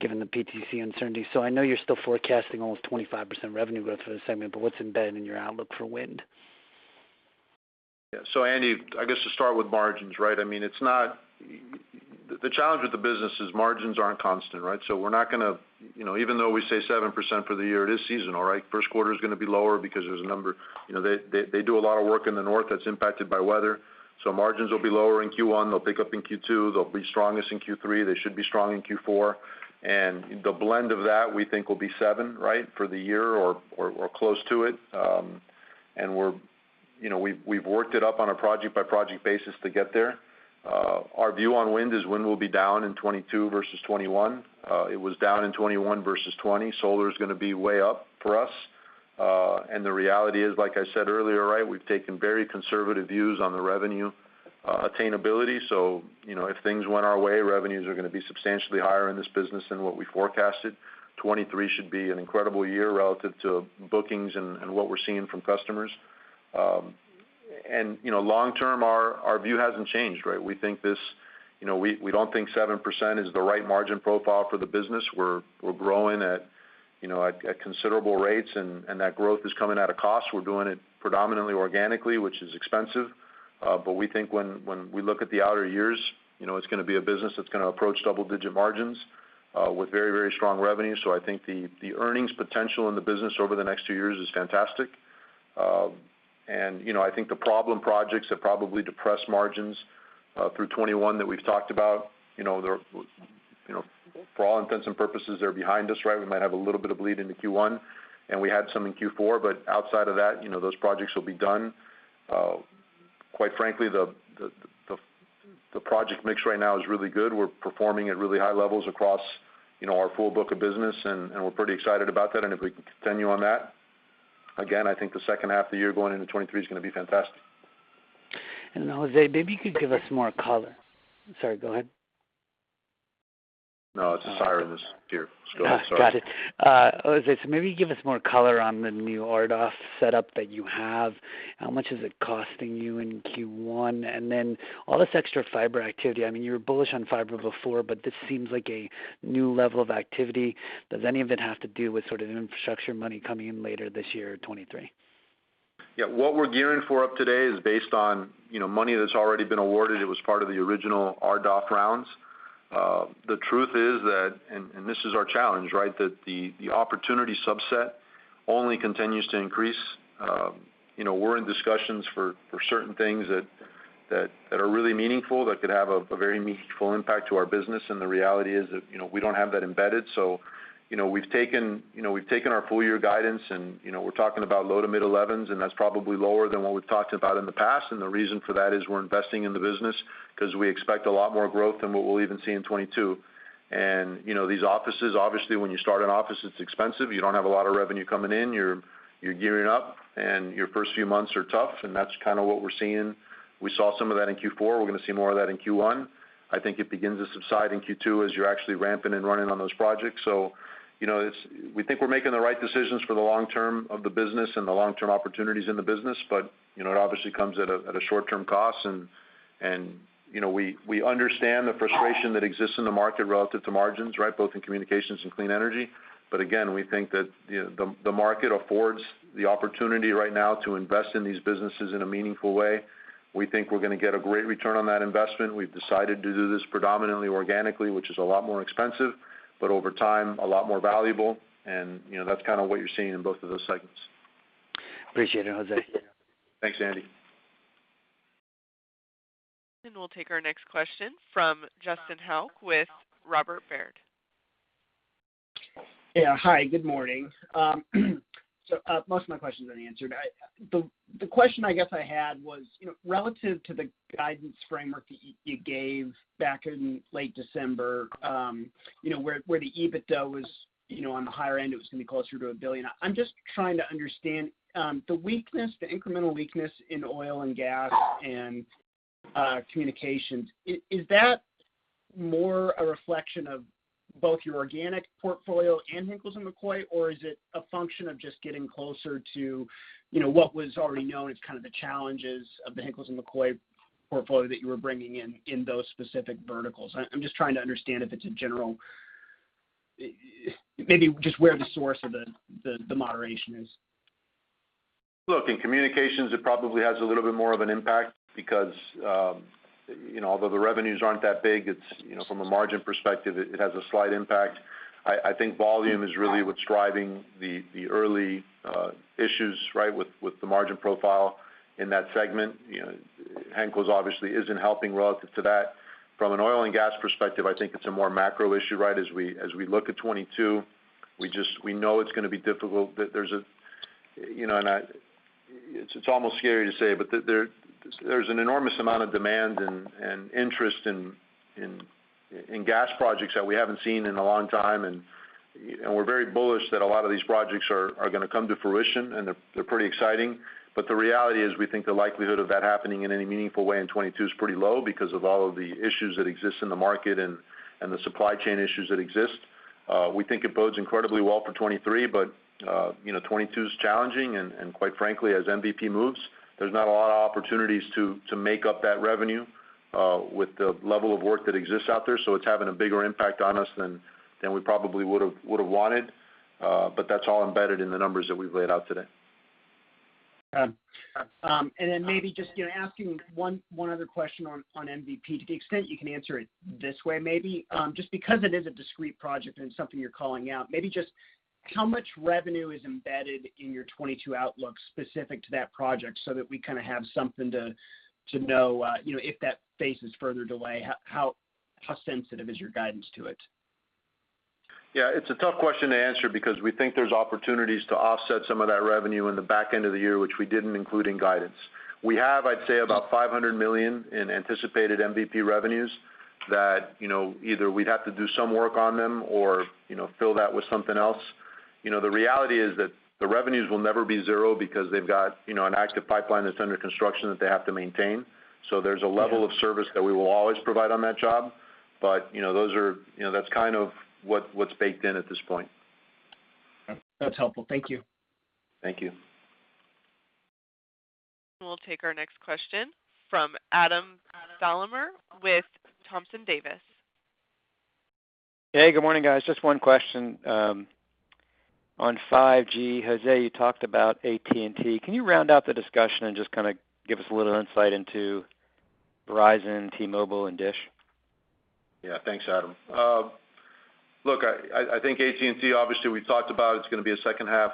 given the PTC uncertainty. I know you're still forecasting almost 25% revenue growth for the segment, but what's embedded in your outlook for wind? Yeah. Andy, I guess to start with margins, right? I mean, it's not. The challenge with the business is margins aren't constant, right? We're not gonna, you know, even though we say 7% for the year, it is seasonal, right? First quarter's gonna be lower because there's a number. You know, they do a lot of work in the north that's impacted by weather, so margins will be lower in Q1. They'll pick up in Q2. They'll be strongest in Q3. They should be strong in Q4. The blend of that we think will be 7%, right, for the year or close to it. We're, you know, we've worked it up on a project-by-project basis to get there. Our view on wind is wind will be down in 2022 versus 2021. It was down in 2021 versus 2020. Solar's gonna be way up for us. The reality is, like I said earlier, right, we've taken very conservative views on the revenue attainability. You know, if things went our way, revenues are gonna be substantially higher in this business than what we forecasted. 2023 should be an incredible year relative to bookings and what we're seeing from customers. You know, long term our view hasn't changed, right? We think this, you know, we don't think 7% is the right margin profile for the business. We're growing at, you know, considerable rates and that growth is coming at a cost. We're doing it predominantly organically, which is expensive. We think when we look at the outer years, you know, it's gonna be a business that's gonna approach double-digit margins with very, very strong revenue. I think the earnings potential in the business over the next 2 years is fantastic. You know, I think the problem projects have probably depressed margins through 2021 that we've talked about. You know, for all intents and purposes, they're behind us, right? We might have a little bit of bleed into Q1, and we had some in Q4, but outside of that, you know, those projects will be done. Quite frankly, the project mix right now is really good. We're performing at really high levels across, you know, our full book of business and we're pretty excited about that. If we can continue on that, again, I think the second half of the year going into 2023 is gonna be fantastic. José, maybe you could give us more color. Sorry, go ahead. No, it's a siren that's here. Just go ahead. Sorry. Got it. José, maybe give us more color on the new RDOF setup that you have. How much is it costing you in Q1? All this extra fiber activity, I mean, you were bullish on fiber before, but this seems like a new level of activity. Does any of it have to do with sort of infrastructure money coming in later this year or 2023? Yeah. What we're gearing up to today is based on, you know, money that's already been awarded. It was part of the original RDOF rounds. The truth is that, and this is our challenge, right, that the opportunity subset only continues to increase. You know, we're in discussions for certain things that are really meaningful, that could have a very meaningful impact to our business, and the reality is that, you know, we don't have that embedded. You know, we've taken our full year guidance and, you know, we're talking about low to mid-elevens, and that's probably lower than what we've talked about in the past. The reason for that is we're investing in the business 'cause we expect a lot more growth than what we'll even see in 2022. You know, these offices, obviously when you start an office, it's expensive. You don't have a lot of revenue coming in. You're gearing up, and your first few months are tough, and that's kinda what we're seeing. We saw some of that in Q4. We're gonna see more of that in Q1. I think it begins to subside in Q2 as you're actually ramping and running on those projects. You know, it's. We think we're making the right decisions for the long term of the business and the long-term opportunities in the business, but, you know, it obviously comes at a short-term cost. You know, we understand the frustration that exists in the market relative to margins, right? Both in Communications and Clean Energy. Again, we think that, you know, the market affords the opportunity right now to invest in these businesses in a meaningful way. We think we're gonna get a great return on that investment. We've decided to do this predominantly organically, which is a lot more expensive, but over time, a lot more valuable. You know, that's kinda what you're seeing in both of those segments. Appreciate it, José. Thanks, Andy. We'll take our next question from Justin Hauke with Robert Baird. Yeah. Hi, good morning. So, most of my questions are answered. The question I guess I had was, you know, relative to the guidance framework that you gave back in late December, you know, where the EBITDA was, you know, on the higher end, it was gonna be closer to $1 billion. I'm just trying to understand the weakness, the incremental weakness in Oil & Gas and Communications. Is that more a reflection of both your organic portfolio and Henkels & McCoy? Or is it a function of just getting closer to, you know, what was already known as kind of the challenges of the Henkels & McCoy portfolio that you were bringing in those specific verticals? I'm just trying to understand if it's a general. Maybe just where the source of the moderation is. Look, in Communications, it probably has a little bit more of an impact because you know, although the revenues aren't that big, it's you know, from a margin perspective, it has a slight impact. I think volume is really what's driving the early issues right, with the margin profile in that segment. You know, Henkels obviously isn't helping relative to that. From an Oil & Gas perspective, I think it's a more macro issue right? As we look at 2022, we know it's gonna be difficult. There's you know. It's almost scary to say, but there's an enormous amount of demand and interest in gas projects that we haven't seen in a long time. We're very bullish that a lot of these projects are gonna come to fruition, and they're pretty exciting. The reality is we think the likelihood of that happening in any meaningful way in 2022 is pretty low because of all of the issues that exist in the market and the supply chain issues that exist. We think it bodes incredibly well for 2023, but you know, 2022 is challenging. Quite frankly, as MVP moves, there's not a lot of opportunities to make up that revenue with the level of work that exists out there. It's having a bigger impact on us than we probably would've wanted. That's all embedded in the numbers that we've laid out today. Got it. Then maybe just, you know, asking one other question on MVP to the extent you can answer it this way maybe. Just because it is a discrete project and something you're calling out, maybe just how much revenue is embedded in your 2022 outlook specific to that project so that we kind of have something to know, you know, if that faces further delay, how sensitive is your guidance to it? Yeah. It's a tough question to answer because we think there's opportunities to offset some of that revenue in the back end of the year, which we didn't include in guidance. We have, I'd say, about $500 million in anticipated MVP revenues that, you know, either we'd have to do some work on them or, you know, fill that with something else. You know, the reality is that the revenues will never be zero because they've got, you know, an active pipeline that's under construction that they have to maintain. So there's a level of service that we will always provide on that job. But, you know, those are, you know, that's kind of what's baked in at this point. That's helpful. Thank you. Thank you. We'll take our next question from Adam Thalhimer with Thompson Davis. Hey, good morning, guys. Just one question on 5G. José, you talked about AT&T. Can you round out the discussion and just kind of give us a little insight into Verizon, T-Mobile and DISH? Yeah. Thanks, Adam. Look, I think AT&T, obviously we talked about it's gonna be a second half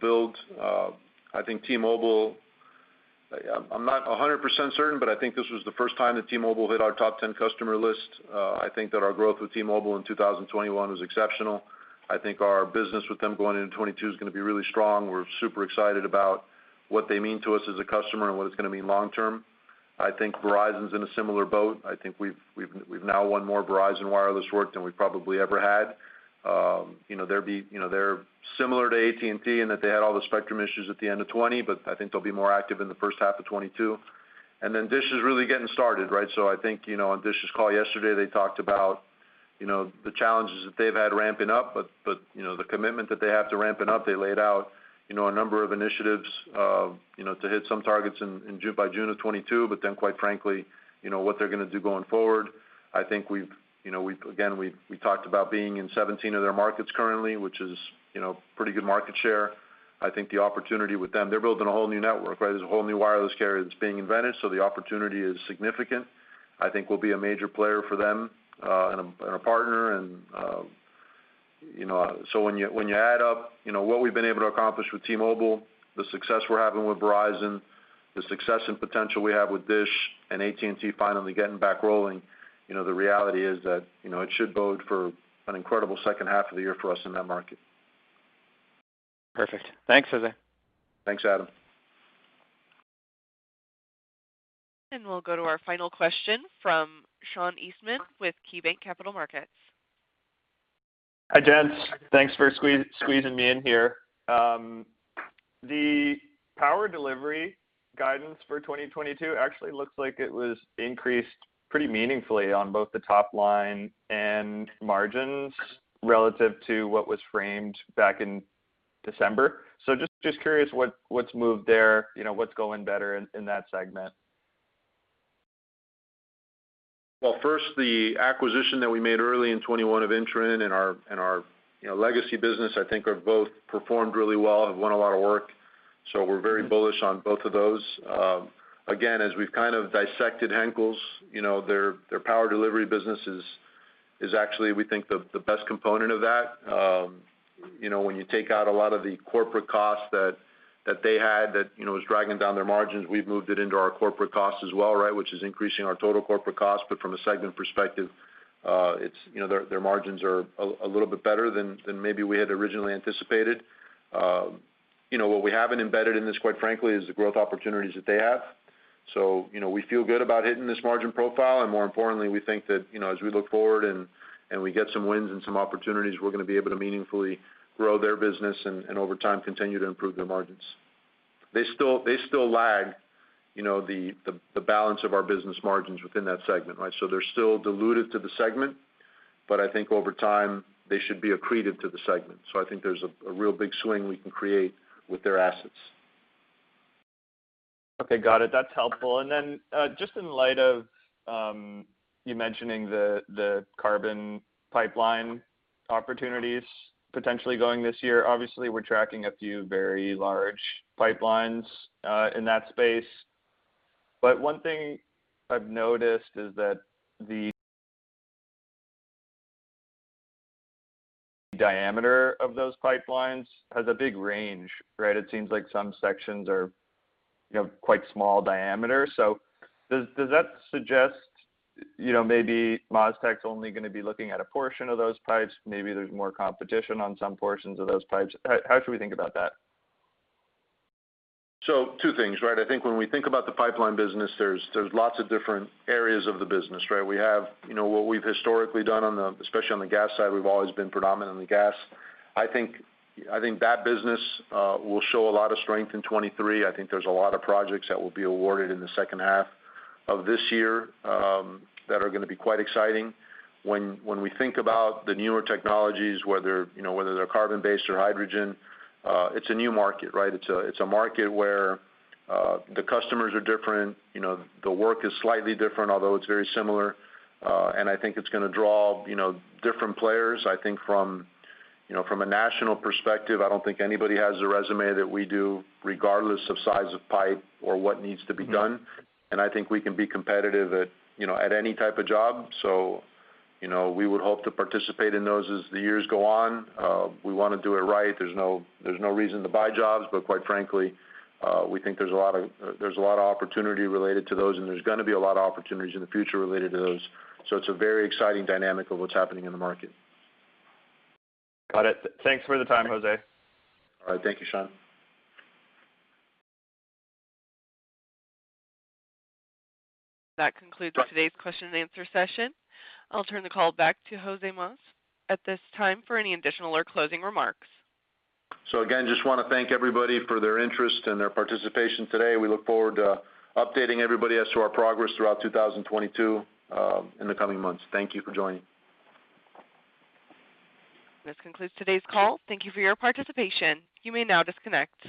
build. I think T-Mobile, I'm not 100% certain, but I think this was the first time that T-Mobile hit our top 10 customer list. I think that our growth with T-Mobile in 2021 was exceptional. I think our business with them going into 2022 is gonna be really strong. We're super excited about what they mean to us as a customer and what it's gonna mean long term. I think Verizon's in a similar boat. I think we've now won more Verizon Wireless work than we probably ever had. You know, there'll be, you know, they're similar to AT&T in that they had all the spectrum issues at the end of 2020, but I think they'll be more active in the first half of 2022. Then DISH is really getting started, right? I think, you know, on DISH's call yesterday, they talked about, you know, the challenges that they've had ramping up, but you know, the commitment that they have to ramping up, they laid out, you know, a number of initiatives, you know, to hit some targets by June of 2022. Then, quite frankly, you know, what they're gonna do going forward. I think we've, you know, again, we talked about being in 17 of their markets currently, which is, you know, pretty good market share. I think the opportunity with them, they're building a whole new network, right? There's a whole new wireless carrier that's being invented, so the opportunity is significant. I think we'll be a major player for them, and a partner. You know, when you add up, you know, what we've been able to accomplish with T-Mobile, the success we're having with Verizon, the success and potential we have with DISH and AT&T finally getting back rolling, you know, the reality is that, you know, it should bode for an incredible second half of the year for us in that market. Perfect. Thanks, José. Thanks, Adam. We'll go to our final question from Sean Eastman with KeyBanc Capital Markets. Hi, gents. Thanks for squeezing me in here. The Power Delivery guidance for 2022 actually looks like it was increased pretty meaningfully on both the top line and margins relative to what was framed back in December. Just curious what's moved there, you know, what's going better in that segment? Well, first, the acquisition that we made early in 2021 of INTREN and our you know legacy business, I think have both performed really well, have won a lot of work. We're very bullish on both of those. Again, as we've kind of dissected Henkels, you know, their Power Delivery business is actually, we think, the best component of that. You know, when you take out a lot of the corporate costs that they had that you know was dragging down their margins, we've moved it into our corporate costs as well, right? Which is increasing our total corporate cost. From a segment perspective, it's you know their margins are a little bit better than maybe we had originally anticipated. You know, what we haven't embedded in this, quite frankly, is the growth opportunities that they have. You know, we feel good about hitting this margin profile. More importantly, we think that, you know, as we look forward and we get some wins and some opportunities, we're gonna be able to meaningfully grow their business and over time, continue to improve their margins. They still lag, you know, the balance of our business margins within that segment, right? They're still diluted to the segment, but I think over time, they should be accretive to the segment. I think there's a real big swing we can create with their assets. Okay, got it. That's helpful. Just in light of you mentioning the carbon pipeline opportunities potentially going this year. Obviously, we're tracking a few very large pipelines in that space. One thing I've noticed is that the diameter of those pipelines has a big range, right? It seems like some sections are, you know, quite small diameter. Does that suggest, you know, maybe MasTec's only gonna be looking at a portion of those pipes? Maybe there's more competition on some portions of those pipes. How should we think about that? Two things, right? I think when we think about the pipeline business, there's lots of different areas of the business, right? We have what we've historically done on the especially on the gas side, we've always been predominant in the gas. I think that business will show a lot of strength in 2023. I think there's a lot of projects that will be awarded in the second half of this year that are gonna be quite exciting. When we think about the newer technologies, whether they're carbon-based or hydrogen, it's a new market, right? It's a market where the customers are different. The work is slightly different, although it's very similar. I think it's gonna draw different players. I think from a national perspective, I don't think anybody has the resume that we do, regardless of size of pipe or what needs to be done. I think we can be competitive at any type of job. You know, we would hope to participate in those as the years go on. We wanna do it right. There's no reason to buy jobs, but quite frankly, we think there's a lot of opportunity related to those, and there's gonna be a lot of opportunities in the future related to those. It's a very exciting dynamic of what's happening in the market. Got it. Thanks for the time, José. All right. Thank you, Sean. That concludes today's question and answer session. I'll turn the call back to José Mas at this time for any additional or closing remarks. Again, just wanna thank everybody for their interest and their participation today. We look forward to updating everybody as to our progress throughout 2022 in the coming months. Thank you for joining. This concludes today's call. Thank you for your participation. You may now disconnect.